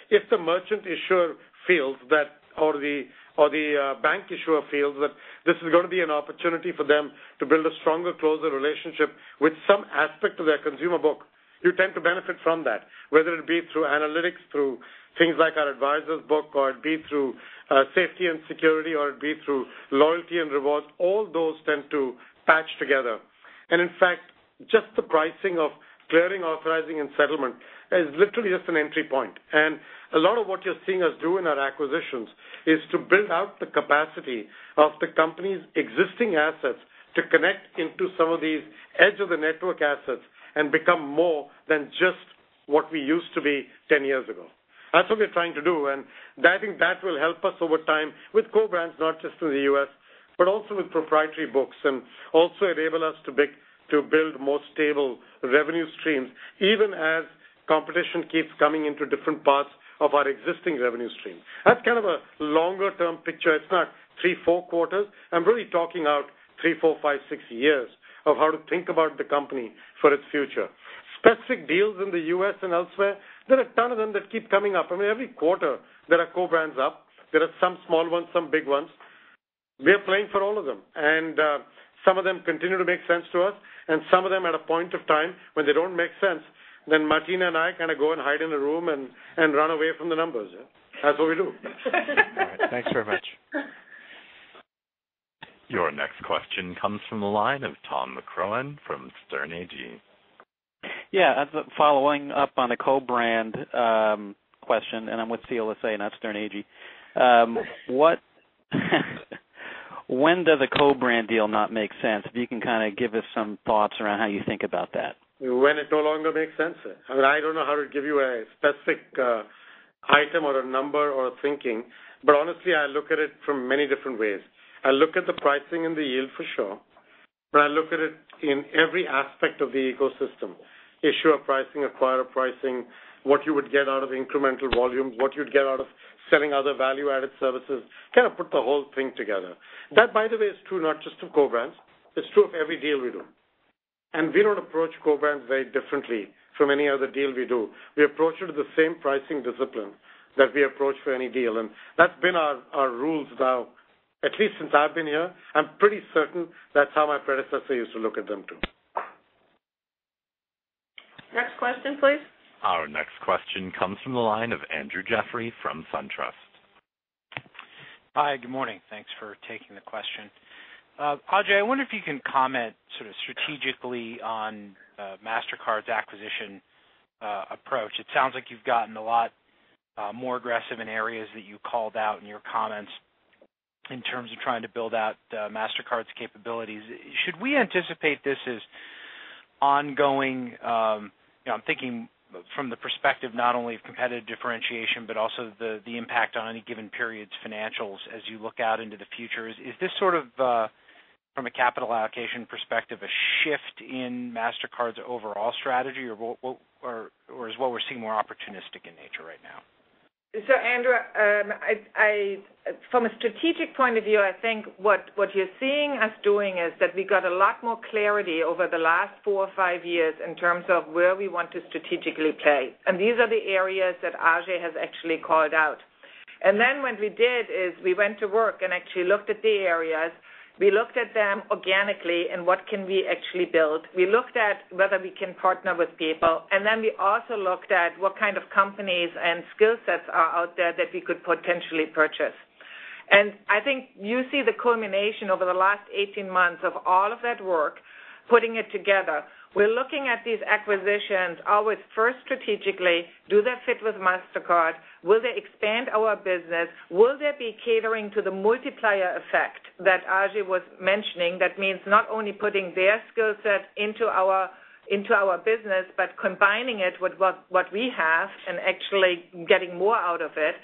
[SPEAKER 3] If the merchant issuer feels that, or the bank issuer feels that this is going to be an opportunity for them to build a stronger, closer relationship with some aspect of their consumer book, you tend to benefit from that, whether it be through analytics, through things like our Advisors book, or it be through safety and security, or it be through loyalty and rewards. All those tend to patch together. In fact, just the pricing of clearing, authorizing, and settlement is literally just an entry point. A lot of what you're seeing us do in our acquisitions is to build out the capacity of the company's existing assets to connect into some of these edge of the network assets and become more than just what we used to be 10 years ago. That's what we're trying to do, and I think that will help us over time with co-brands, not just in the U.S. but also with proprietary books, and also enable us to build more stable revenue streams, even as competition keeps coming into different parts of our existing revenue stream. That's kind of a longer-term picture. It's not three, four quarters. I'm really talking out three, four, five, six years of how to think about the company for its future. Specific deals in the U.S. and elsewhere, there are a ton of them that keep coming up. Every quarter there are co-brands up. There are some small ones, some big ones. We are playing for all of them, some of them continue to make sense to us, some of them, at a point of time when they don't make sense, Martina and I go and hide in a room and run away from the numbers. That's what we do.
[SPEAKER 7] Thanks very much.
[SPEAKER 1] Your next question comes from the line of Tom McCrohan from Sterne Agee.
[SPEAKER 8] Yeah. Following up on the co-brand question. I'm with CLSA, not Sterne Agee. When does a co-brand deal not make sense? If you can give us some thoughts around how you think about that.
[SPEAKER 3] When it no longer makes sense. I don't know how to give you a specific item or a number or thinking. Honestly, I look at it from many different ways. I look at the pricing and the yield for sure. I look at it in every aspect of the ecosystem. Issuer pricing, acquirer pricing, what you would get out of incremental volumes, what you'd get out of selling other value-added services, kind of put the whole thing together. That, by the way, is true not just of co-brands. It's true of every deal we do. We don't approach co-brands very differently from any other deal we do. We approach it with the same pricing discipline that we approach for any deal. That's been our rules now at least since I've been here. I'm pretty certain that's how my predecessor used to look at them, too. Next question, please.
[SPEAKER 1] Our next question comes from the line of Andrew Jeffrey from SunTrust.
[SPEAKER 9] Hi. Good morning. Thanks for taking the question. Ajay, I wonder if you can comment sort of strategically on Mastercard's acquisition approach. It sounds like you've gotten a lot more aggressive in areas that you called out in your comments in terms of trying to build out Mastercard's capabilities. Should we anticipate this as ongoing? I'm thinking from the perspective not only of competitive differentiation but also the impact on any given period's financials as you look out into the future. Is this sort of, from a capital allocation perspective, a shift in Mastercard's overall strategy, or is what we're seeing more opportunistic in nature right now?
[SPEAKER 4] Andrew, from a strategic point of view, I think what you're seeing us doing is that we got a lot more clarity over the last four or five years in terms of where we want to strategically play, and these are the areas that Ajay has actually called out. Then what we did is we went to work and actually looked at the areas. We looked at them organically and what can we actually build. We looked at whether we can partner with people, then we also looked at what kind of companies and skill sets are out there that we could potentially purchase. I think you see the culmination over the last 18 months of all of that work, putting it together. We're looking at these acquisitions always first strategically. Do they fit with Mastercard? Will they expand our business? Will they be catering to the multiplier effect that Ajay was mentioning? That means not only putting their skill set into our business, but combining it with what we have and actually getting more out of it.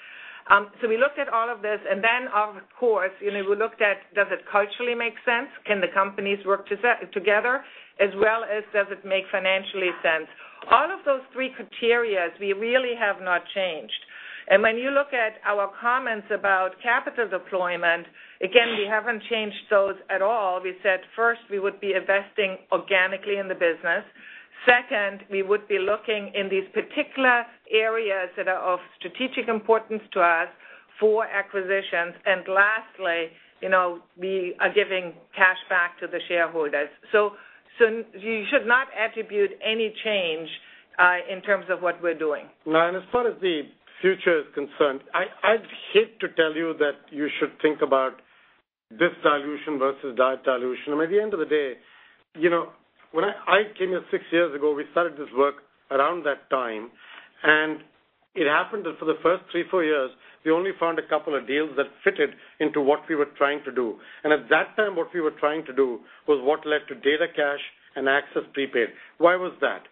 [SPEAKER 4] We looked at all of this, then of course, we looked at does it culturally make sense? Can the companies work together as well as does it make financial sense? All of those three criterias we really have not changed. When you look at our comments about capital deployment, again, we haven't changed those at all. We said first we would be investing organically in the business. Second, we would be looking in these particular areas that are of strategic importance to us. For acquisitions. Lastly, we are giving cash back to the shareholders. You should not attribute any change in terms of what we're doing.
[SPEAKER 3] No, and as far as the future is concerned, I'd hate to tell you that you should think about this dilution versus that dilution. At the end of the day, when I came here six years ago, we started this work around that time. It happened that for the first three, four years, we only found a couple of deals that fitted into what we were trying to do. At that time, what we were trying to do was what led to DataCash and Access Prepaid. Why was that?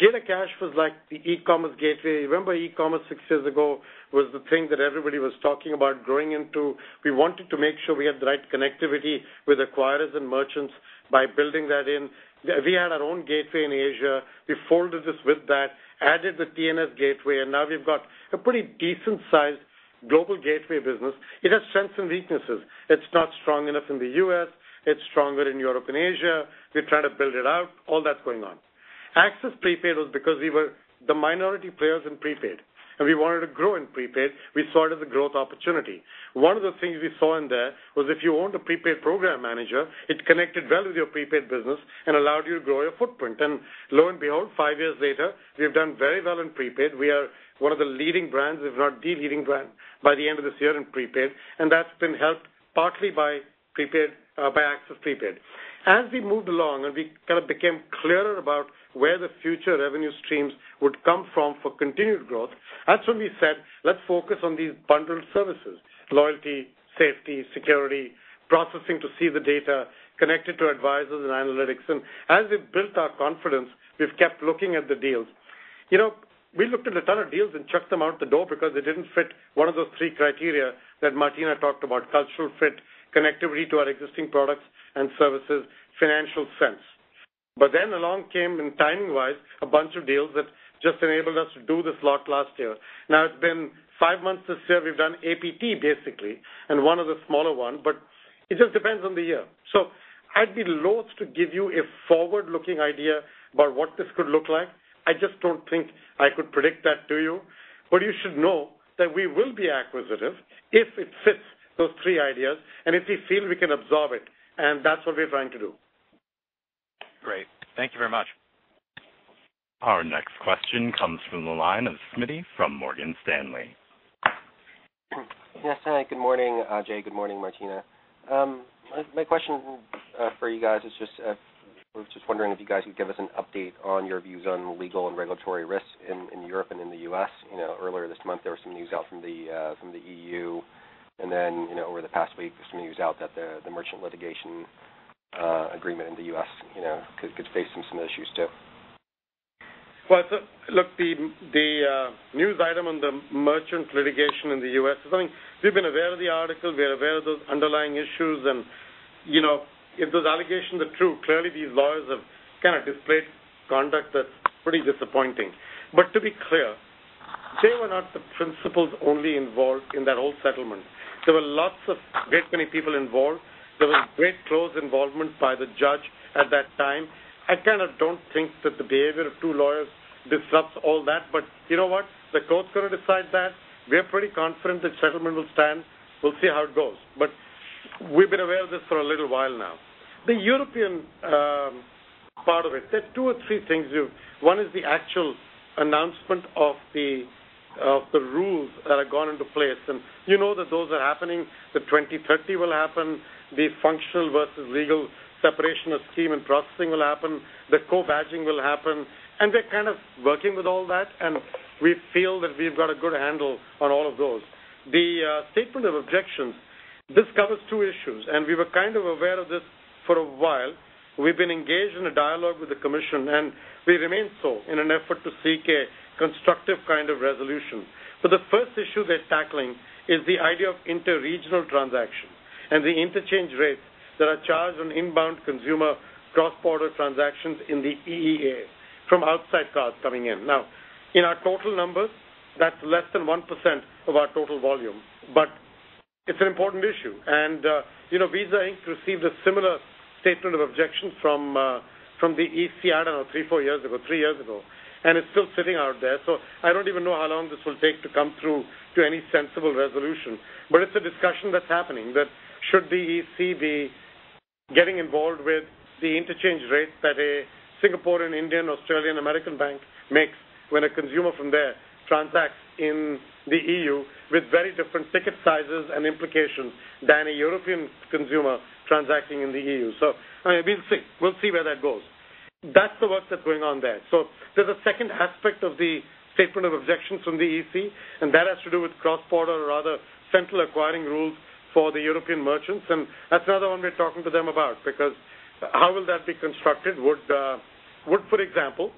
[SPEAKER 3] DataCash was like the e-commerce gateway. Remember e-commerce six years ago was the thing that everybody was talking about growing into. We wanted to make sure we had the right connectivity with acquirers and merchants by building that in. We had our own gateway in Asia. We folded this with that, added the TNS gateway. Now we've got a pretty decent-sized global gateway business. It has strengths and weaknesses. It's not strong enough in the U.S., it's stronger in Europe and Asia. We're trying to build it out, all that's going on. Access Prepaid was because we were the minority players in prepaid, we wanted to grow in prepaid. We saw it as a growth opportunity. One of the things we saw in there was if you owned a prepaid program manager, it connected well with your prepaid business and allowed you to grow your footprint. Lo and behold, five years later, we've done very well in prepaid. We are one of the leading brands, if not the leading brand, by the end of this year in prepaid. That's been helped partly by Access Prepaid. As we moved along, we kind of became clearer about where the future revenue streams would come from for continued growth, that's when we said, "Let's focus on these bundled services, loyalty, safety, security, processing to see the data connected to Mastercard Advisors and analytics." As we've built our confidence, we've kept looking at the deals. We looked at a ton of deals and chucked them out the door because they didn't fit one of those three criteria that Martina talked about, cultural fit, connectivity to our existing products and services, financial sense. Along came in timing-wise, a bunch of deals that just enabled us to do this lot last year. Now it's been five months this year, we've done APT basically, one other smaller one. It just depends on the year. I'd be loath to give you a forward-looking idea about what this could look like. I just don't think I could predict that to you. You should know that we will be acquisitive if it fits those three ideas, if we feel we can absorb it. That's what we're trying to do.
[SPEAKER 9] Great. Thank you very much.
[SPEAKER 1] Our next question comes from the line of Smitty from Morgan Stanley.
[SPEAKER 10] Yes, hi, good morning, Ajay. Good morning, Martina. My question for you guys is just wondering if you guys could give us an update on your views on legal and regulatory risks in Europe and in the U.S. Earlier this month, there was some news out from the EU. Over the past week, some news out that the merchant litigation agreement in the U.S. could face some issues too.
[SPEAKER 3] Well, look, the news item on the merchant litigation in the U.S. is something we've been aware of the article. We're aware of those underlying issues and if those allegations are true, clearly these lawyers have kind of displayed conduct that's pretty disappointing. To be clear, they were not the principals only involved in that whole settlement. There were lots of great many people involved. There was great close involvement by the judge at that time. I kind of don't think that the behavior of two lawyers disrupts all that. You know what? The court's going to decide that. We're pretty confident the settlement will stand. We'll see how it goes. We've been aware of this for a little while now. The European part of it, there's two or three things. One is the actual announcement of the rules that have gone into place, you know that those are happening. The 2030 will happen, the functional versus legal separation of scheme and processing will happen. The co-badging will happen, we're kind of working with all that, we feel that we've got a good handle on all of those. The statement of objections, this covers two issues, we were kind of aware of this for a while. We've been engaged in a dialogue with the commission, we remain so in an effort to seek a constructive kind of resolution. The first issue they're tackling is the idea of inter-regional transactions and the interchange rates that are charged on inbound consumer cross-border transactions in the EEA from outside cards coming in. Now, in our total numbers, that's less than 1% of our total volume, it's an important issue. Visa Inc. received a similar statement of objections from the EC, I don't know, three, four years ago, and it's still sitting out there. I don't even know how long this will take to come through to any sensible resolution. It's a discussion that's happening that should the EC be getting involved with the interchange rates that a Singaporean, Indian, Australian, American bank makes when a consumer from there transacts in the EU with very different ticket sizes and implications than a European consumer transacting in the EU. We'll see where that goes. That's the work that's going on there. There's a second aspect of the statement of objections from the EC, that has to do with cross-border or other central acquiring rules for the European merchants that's another one we're talking to them about because how will that be constructed? Would, for example,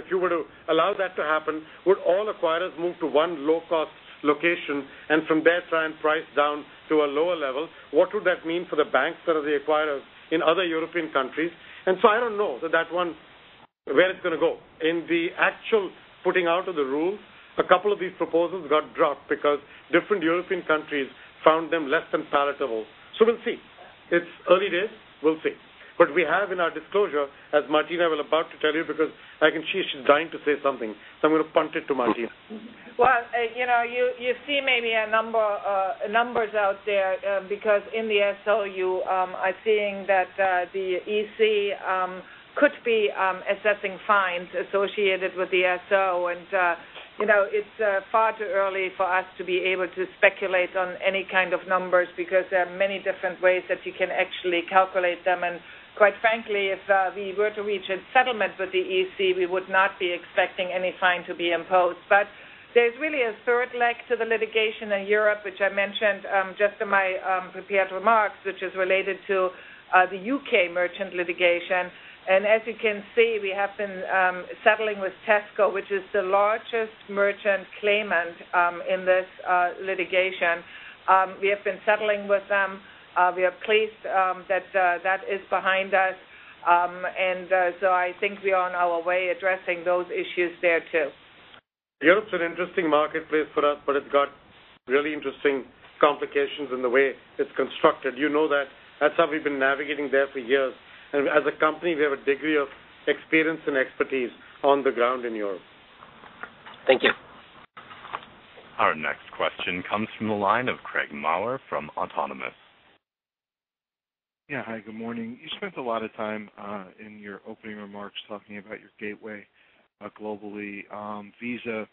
[SPEAKER 3] if you were to allow that to happen, would all acquirers move to one low-cost location and from there try and price down to a lower level? What would that mean for the banks that are the acquirers in other European countries? I don't know where it's going to go. In the actual putting out of the rules, a couple of these proposals got dropped because different European countries found them less than palatable. We'll see. It's early days. We'll see. We have in our disclosure, as Martina was about to tell you, because I can see she's dying to say something, I'm going to punt it to Martina.
[SPEAKER 4] You see maybe numbers out there, because in the SO, you are seeing that the EC could be assessing fines associated with the SO. It's far too early for us to be able to speculate on any kind of numbers because there are many different ways that you can actually calculate them. Quite frankly, if we were to reach a settlement with the EC, we would not be expecting any fine to be imposed. There's really a third leg to the litigation in Europe, which I mentioned just in my prepared remarks, which is related to the U.K. merchant litigation. As you can see, we have been settling with Tesco, which is the largest merchant claimant in this litigation. We have been settling with them. We are pleased that that is behind us. I think we are on our way addressing those issues there too.
[SPEAKER 3] Europe's an interesting marketplace for us, it's got really interesting complications in the way it's constructed. You know that. That's how we've been navigating there for years. As a company, we have a degree of experience and expertise on the ground in Europe.
[SPEAKER 4] Thank you.
[SPEAKER 1] Our next question comes from the line of Craig Maurer from Autonomous.
[SPEAKER 11] Yeah. Hi, good morning. You spent a lot of time in your opening remarks talking about your gateway globally. Visa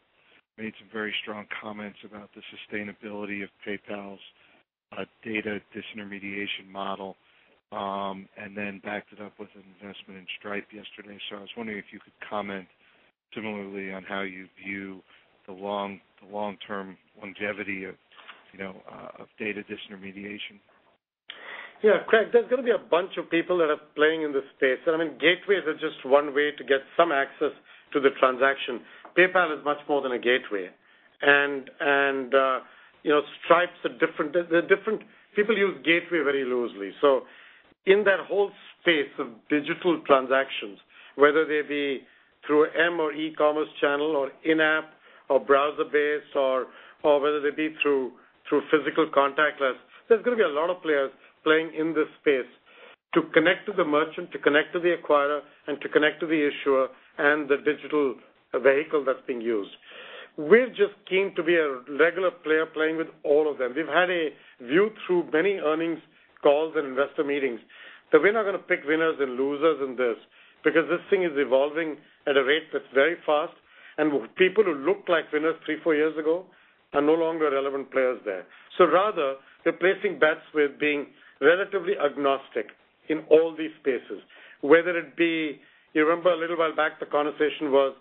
[SPEAKER 11] made some very strong comments about the sustainability of PayPal's data disintermediation model, and then backed it up with an investment in Stripe yesterday. I was wondering if you could comment similarly on how you view the long-term longevity of data disintermediation.
[SPEAKER 3] Yeah, Craig, there's going to be a bunch of people that are playing in this space. I mean, gateways are just one way to get some access to the transaction. PayPal is much more than a gateway, and Stripes are different. People use gateway very loosely. In that whole space of digital transactions, whether they be through M or e-commerce channel or in-app or browser based or whether they be through physical contactless, there's going to be a lot of players playing in this space to connect to the merchant, to connect to the acquirer and to connect to the issuer and the digital vehicle that's being used. We're just keen to be a regular player playing with all of them. We've had a view through many earnings calls and investor meetings that we're not going to pick winners and losers in this, because this thing is evolving at a rate that's very fast, and people who looked like winners three, four years ago are no longer relevant players there. Rather, we're placing bets with being relatively agnostic in all these spaces, whether it be, you remember a little while back, the conversation was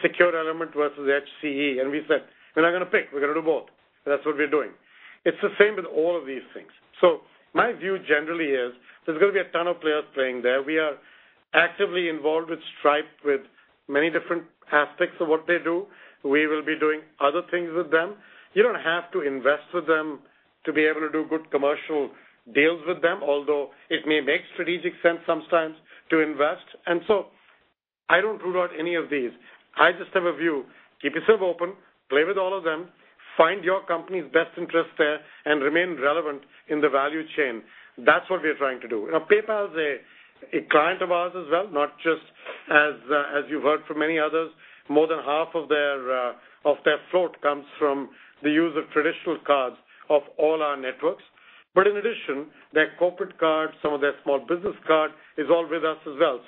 [SPEAKER 3] secure element versus HCE, and we said, "We're not going to pick. We're going to do both." That's what we're doing. It's the same with all of these things. My view generally is there's going to be a ton of players playing there. We are actively involved with Stripe, with many different aspects of what they do. We will be doing other things with them. You don't have to invest with them to be able to do good commercial deals with them. Although it may make strategic sense sometimes to invest. I don't rule out any of these. I just have a view. Keep yourself open, play with all of them, find your company's best interest there, and remain relevant in the value chain. That's what we are trying to do. PayPal is a client of ours as well, not just as you've heard from many others, more than half of their float comes from the use of traditional cards of all our networks. In addition, their corporate cards, some of their small business card is all with us as well.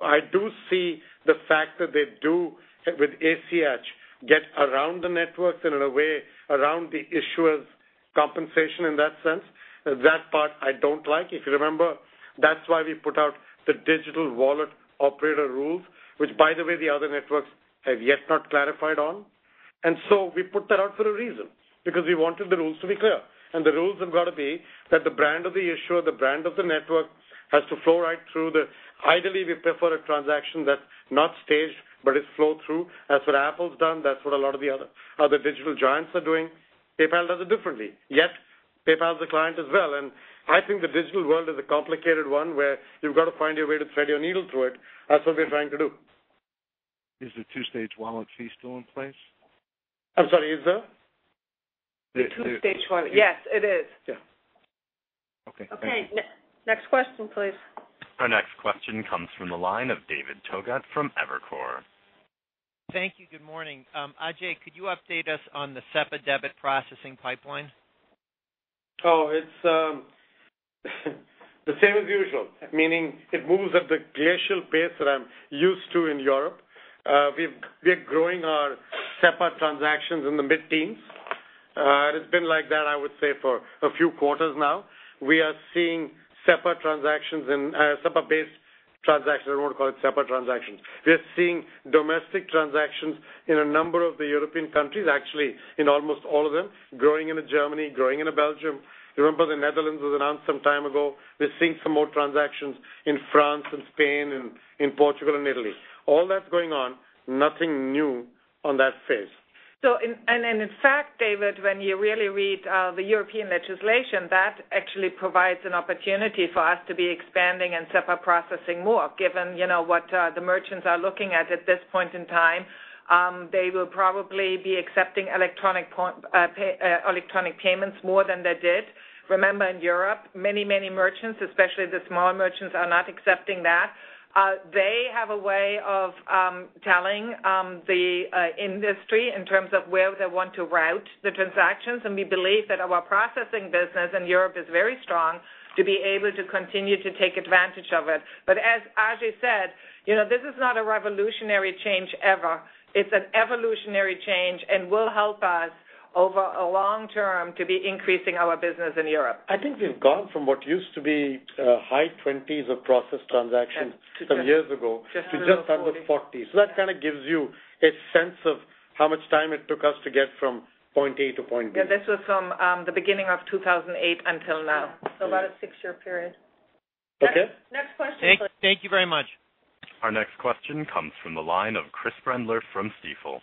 [SPEAKER 3] I do see the fact that they do with ACH, get around the networks in a way around the issuer's compensation in that sense. That part I don't like. If you remember, that's why we put out the digital wallet operator rules, which by the way, the other networks have yet not clarified on. We put that out for a reason, because we wanted the rules to be clear. The rules have got to be that the brand of the issuer, the brand of the network has to flow right through. Ideally, we prefer a transaction that's not staged, but it's flowed through. That's what Apple's done. That's what a lot of the other digital giants are doing. PayPal does it differently. PayPal is a client as well, and I think the digital world is a complicated one where you've got to find your way to thread your needle through it. That's what we are trying to do.
[SPEAKER 11] Is the two-stage wallet fee still in place?
[SPEAKER 3] I'm sorry, is the?
[SPEAKER 4] The 2-stage wallet. Yes, it is.
[SPEAKER 11] Yeah. Okay, thank you.
[SPEAKER 4] Okay. Next question, please.
[SPEAKER 1] Our next question comes from the line of David Togut from Evercore.
[SPEAKER 12] Thank you. Good morning. Ajay, could you update us on the SEPA debit processing pipeline?
[SPEAKER 3] It's the same as usual, meaning it moves at the glacial pace that I'm used to in Europe. We're growing our SEPA transactions in the mid-teens. It has been like that, I would say, for a few quarters now. We are seeing SEPA transactions and SEPA-based transactions, I want to call it SEPA transactions. We are seeing domestic transactions in a number of the European countries, actually in almost all of them, growing into Germany, growing into Belgium. You remember the Netherlands was announced some time ago. We're seeing some more transactions in France and Spain and in Portugal and Italy. All that's going on, nothing new on that phase.
[SPEAKER 4] In fact, David, when you really read the European legislation, that actually provides an opportunity for us to be expanding and set up processing more, given what the merchants are looking at this point in time. They will probably be accepting electronic payments more than they did. Remember, in Europe, many merchants, especially the small merchants, are not accepting that. They have a way of telling the industry in terms of where they want to route the transactions, and we believe that our processing business in Europe is very strong to be able to continue to take advantage of it. But as Ajay said, this is not a revolutionary change ever. It's an evolutionary change and will help us over a long term to be increasing our business in Europe.
[SPEAKER 3] I think we've gone from what used to be high 20s of processed transactions some years ago to just under 40. That kind of gives you a sense of how much time it took us to get from point A to point B.
[SPEAKER 4] Yeah, this was from the beginning of 2008 until now. About a six-year period.
[SPEAKER 3] Okay.
[SPEAKER 4] Next question.
[SPEAKER 12] Thank you very much.
[SPEAKER 1] Our next question comes from the line of Chris Brendler from Stifel.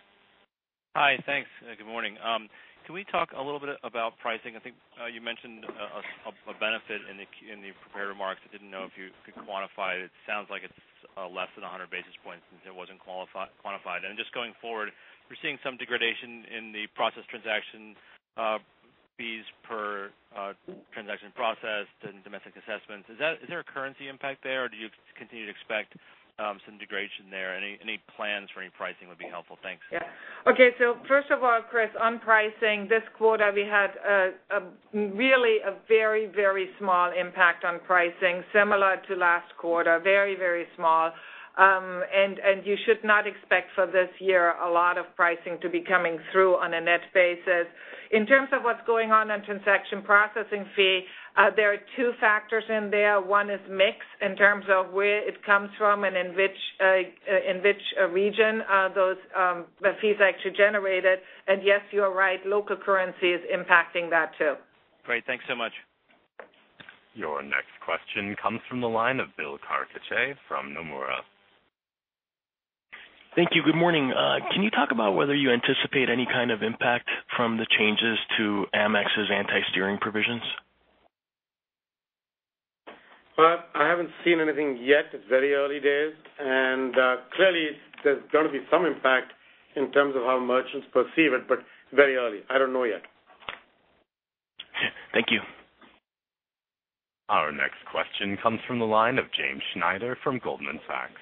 [SPEAKER 13] Hi. Thanks. Good morning. Can we talk a little bit about pricing? I think you mentioned a benefit in the prepared remarks. I didn't know if you could quantify it. It sounds like it's less than 100 basis points since it wasn't quantified. Just going forward, we're seeing some degradation in the process transaction fees per transaction processed and domestic assessments. Is there a currency impact there, or do you continue to expect some degradation there? Any plans for any pricing would be helpful. Thanks.
[SPEAKER 4] Yeah. Okay, first of all, Chris, on pricing this quarter, we had really a very small impact on pricing, similar to last quarter. Very small. You should not expect for this year a lot of pricing to be coming through on a net basis. In terms of what's going on in transaction processing fee, there are two factors in there. One is mix in terms of where it comes from and in which region are those fees actually generated. Yes, you are right, local currency is impacting that too.
[SPEAKER 13] Great. Thanks so much.
[SPEAKER 1] Your next question comes from the line of Bill Carcache from Nomura.
[SPEAKER 14] Thank you. Good morning. Can you talk about whether you anticipate any kind of impact from the changes to Amex's anti-steering provisions?
[SPEAKER 3] Well, I haven't seen anything yet. It's very early days, and clearly there's going to be some impact in terms of how merchants perceive it, but very early. I don't know yet.
[SPEAKER 14] Thank you.
[SPEAKER 1] Our next question comes from the line of James Schneider from Goldman Sachs.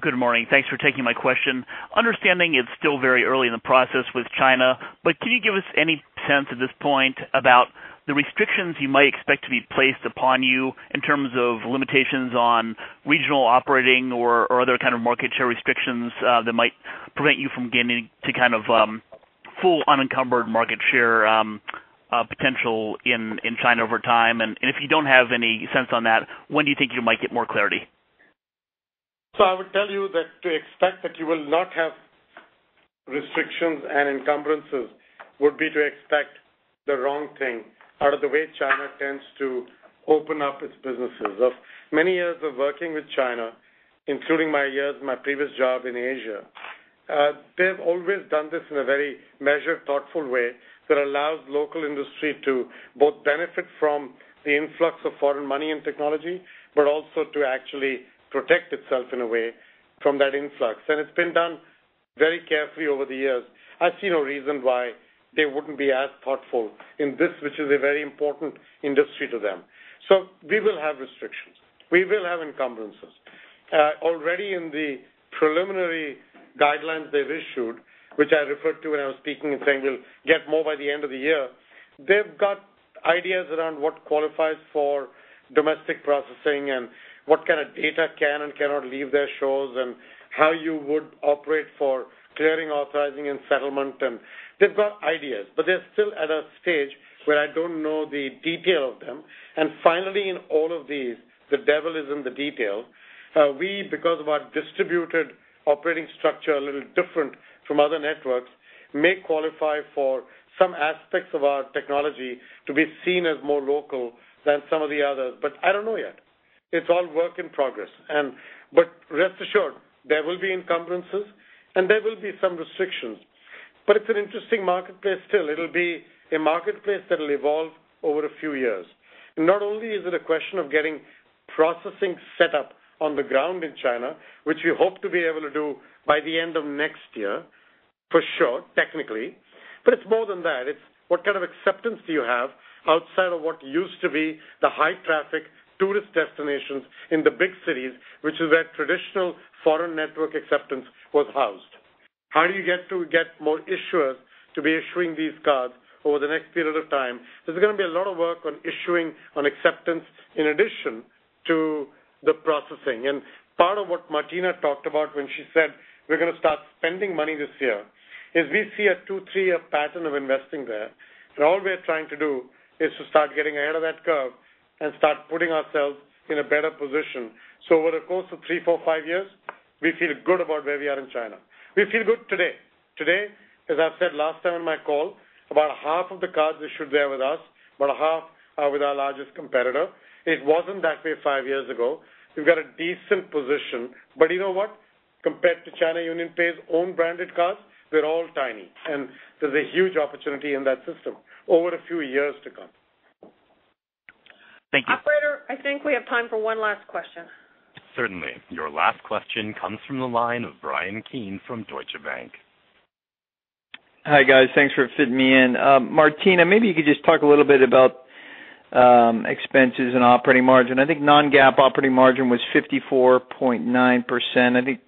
[SPEAKER 15] Good morning. Thanks for taking my question. Understanding it's still very early in the process with China, can you give us any sense at this point about the restrictions you might expect to be placed upon you in terms of limitations on regional operating or other kind of market share restrictions that might prevent you from gaining full unencumbered market share potential in China over time? If you don't have any sense on that, when do you think you might get more clarity?
[SPEAKER 3] I would tell you that to expect that you will not have restrictions and encumbrances would be to expect the wrong thing out of the way China tends to open up its businesses. Of many years of working with China, including my years in my previous job in Asia, they've always done this in a very measured, thoughtful way that allows local industry to both benefit from the influx of foreign money and technology, but also to actually protect itself in a way from that influx. It's been done very carefully over the years. I see no reason why they wouldn't be as thoughtful in this, which is a very important industry to them. We will have restrictions. We will have encumbrances. Already in the preliminary guidelines they've issued, which I referred to when I was speaking and saying we'll get more by the end of the year, they've got ideas around what qualifies for domestic processing and what kind of data can and cannot leave their shores, and how you would operate for clearing, authorizing, and settlement. They've got ideas, but they're still at a stage where I don't know the detail of them. Finally, in all of these, the devil is in the detail. We, because of our distributed operating structure, a little different from other networks, may qualify for some aspects of our technology to be seen as more local than some of the others. I don't know yet. It's all work in progress. Rest assured, there will be encumbrances and there will be some restrictions. It's an interesting marketplace still. It'll be a marketplace that'll evolve over a few years. Not only is it a question of getting processing set up on the ground in China, which we hope to be able to do by the end of next year, for sure, technically, but it's more than that. It's what kind of acceptance do you have outside of what used to be the high-traffic tourist destinations in the big cities, which is where traditional foreign network acceptance was housed? How do you get to get more issuers to be issuing these cards over the next period of time? There's going to be a lot of work on issuing on acceptance in addition to the processing. Part of what Martina talked about when she said we're going to start spending money this year is we see a two, three-year pattern of investing there. All we're trying to do is to start getting ahead of that curve and start putting ourselves in a better position. Over the course of three, four, five years, we feel good about where we are in China. We feel good today. As I've said last time in my call, about half of the cards issued there with us, about half are with our largest competitor. It wasn't that way five years ago. We've got a decent position, but you know what? Compared to China UnionPay's own branded cards, we're all tiny, and there's a huge opportunity in that system over a few years to come.
[SPEAKER 15] Thank you.
[SPEAKER 4] Operator, I think we have time for one last question.
[SPEAKER 1] Certainly. Your last question comes from the line of Bryan Keane from Deutsche Bank.
[SPEAKER 16] Hi, guys. Thanks for fitting me in. Martina, maybe you could just talk a little bit about expenses and operating margin. I think non-GAAP operating margin was 54.9%.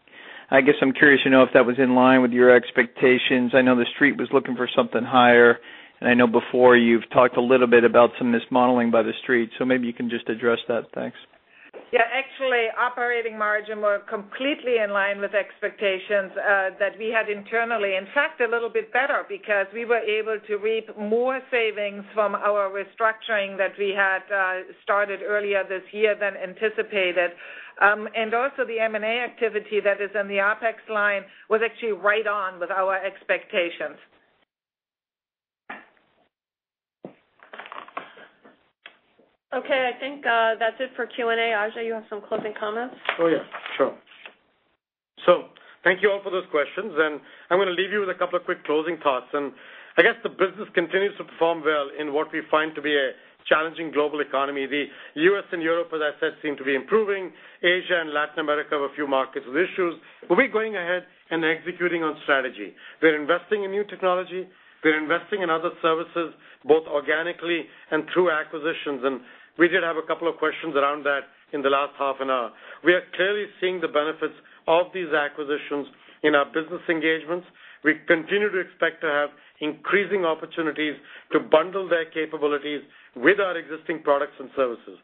[SPEAKER 16] I guess I'm curious to know if that was in line with your expectations. I know the Street was looking for something higher. I know before you've talked a little bit about some mismodeling by the Street, maybe you can just address that. Thanks.
[SPEAKER 4] Yeah. Actually, operating margin were completely in line with expectations that we had internally. In fact, a little bit better because we were able to reap more savings from our restructuring that we had started earlier this year than anticipated. Also the M&A activity that is in the OpEx line was actually right on with our expectations.
[SPEAKER 2] Okay. I think that's it for Q&A. Ajay, you have some closing comments?
[SPEAKER 3] Oh, yeah. Sure. Thank you all for those questions. I'm going to leave you with a couple of quick closing thoughts. I guess the business continues to perform well in what we find to be a challenging global economy. The U.S. and Europe, as I said, seem to be improving. Asia and Latin America have a few markets with issues. We'll be going ahead and executing on strategy. We're investing in new technology. We're investing in other services, both organically and through acquisitions. We did have a couple of questions around that in the last half an hour. We are clearly seeing the benefits of these acquisitions in our business engagements. We continue to expect to have increasing opportunities to bundle their capabilities with our existing products and services.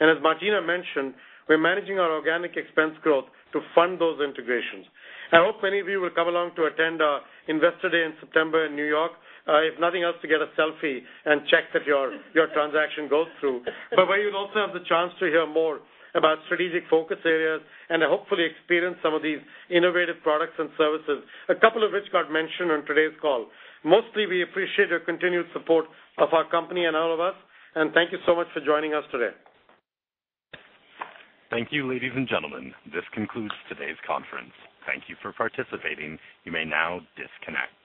[SPEAKER 3] As Martina mentioned, we're managing our organic expense growth to fund those integrations. I hope many of you will come along to attend our Investor Day in September in New York. If nothing else, to get a selfie and check that your transaction goes through. Where you'll also have the chance to hear more about strategic focus areas and hopefully experience some of these innovative products and services, a couple of which got mentioned on today's call. Mostly, we appreciate your continued support of our company and all of us, and thank you so much for joining us today.
[SPEAKER 1] Thank you, ladies and gentlemen. This concludes today's conference. Thank you for participating. You may now disconnect.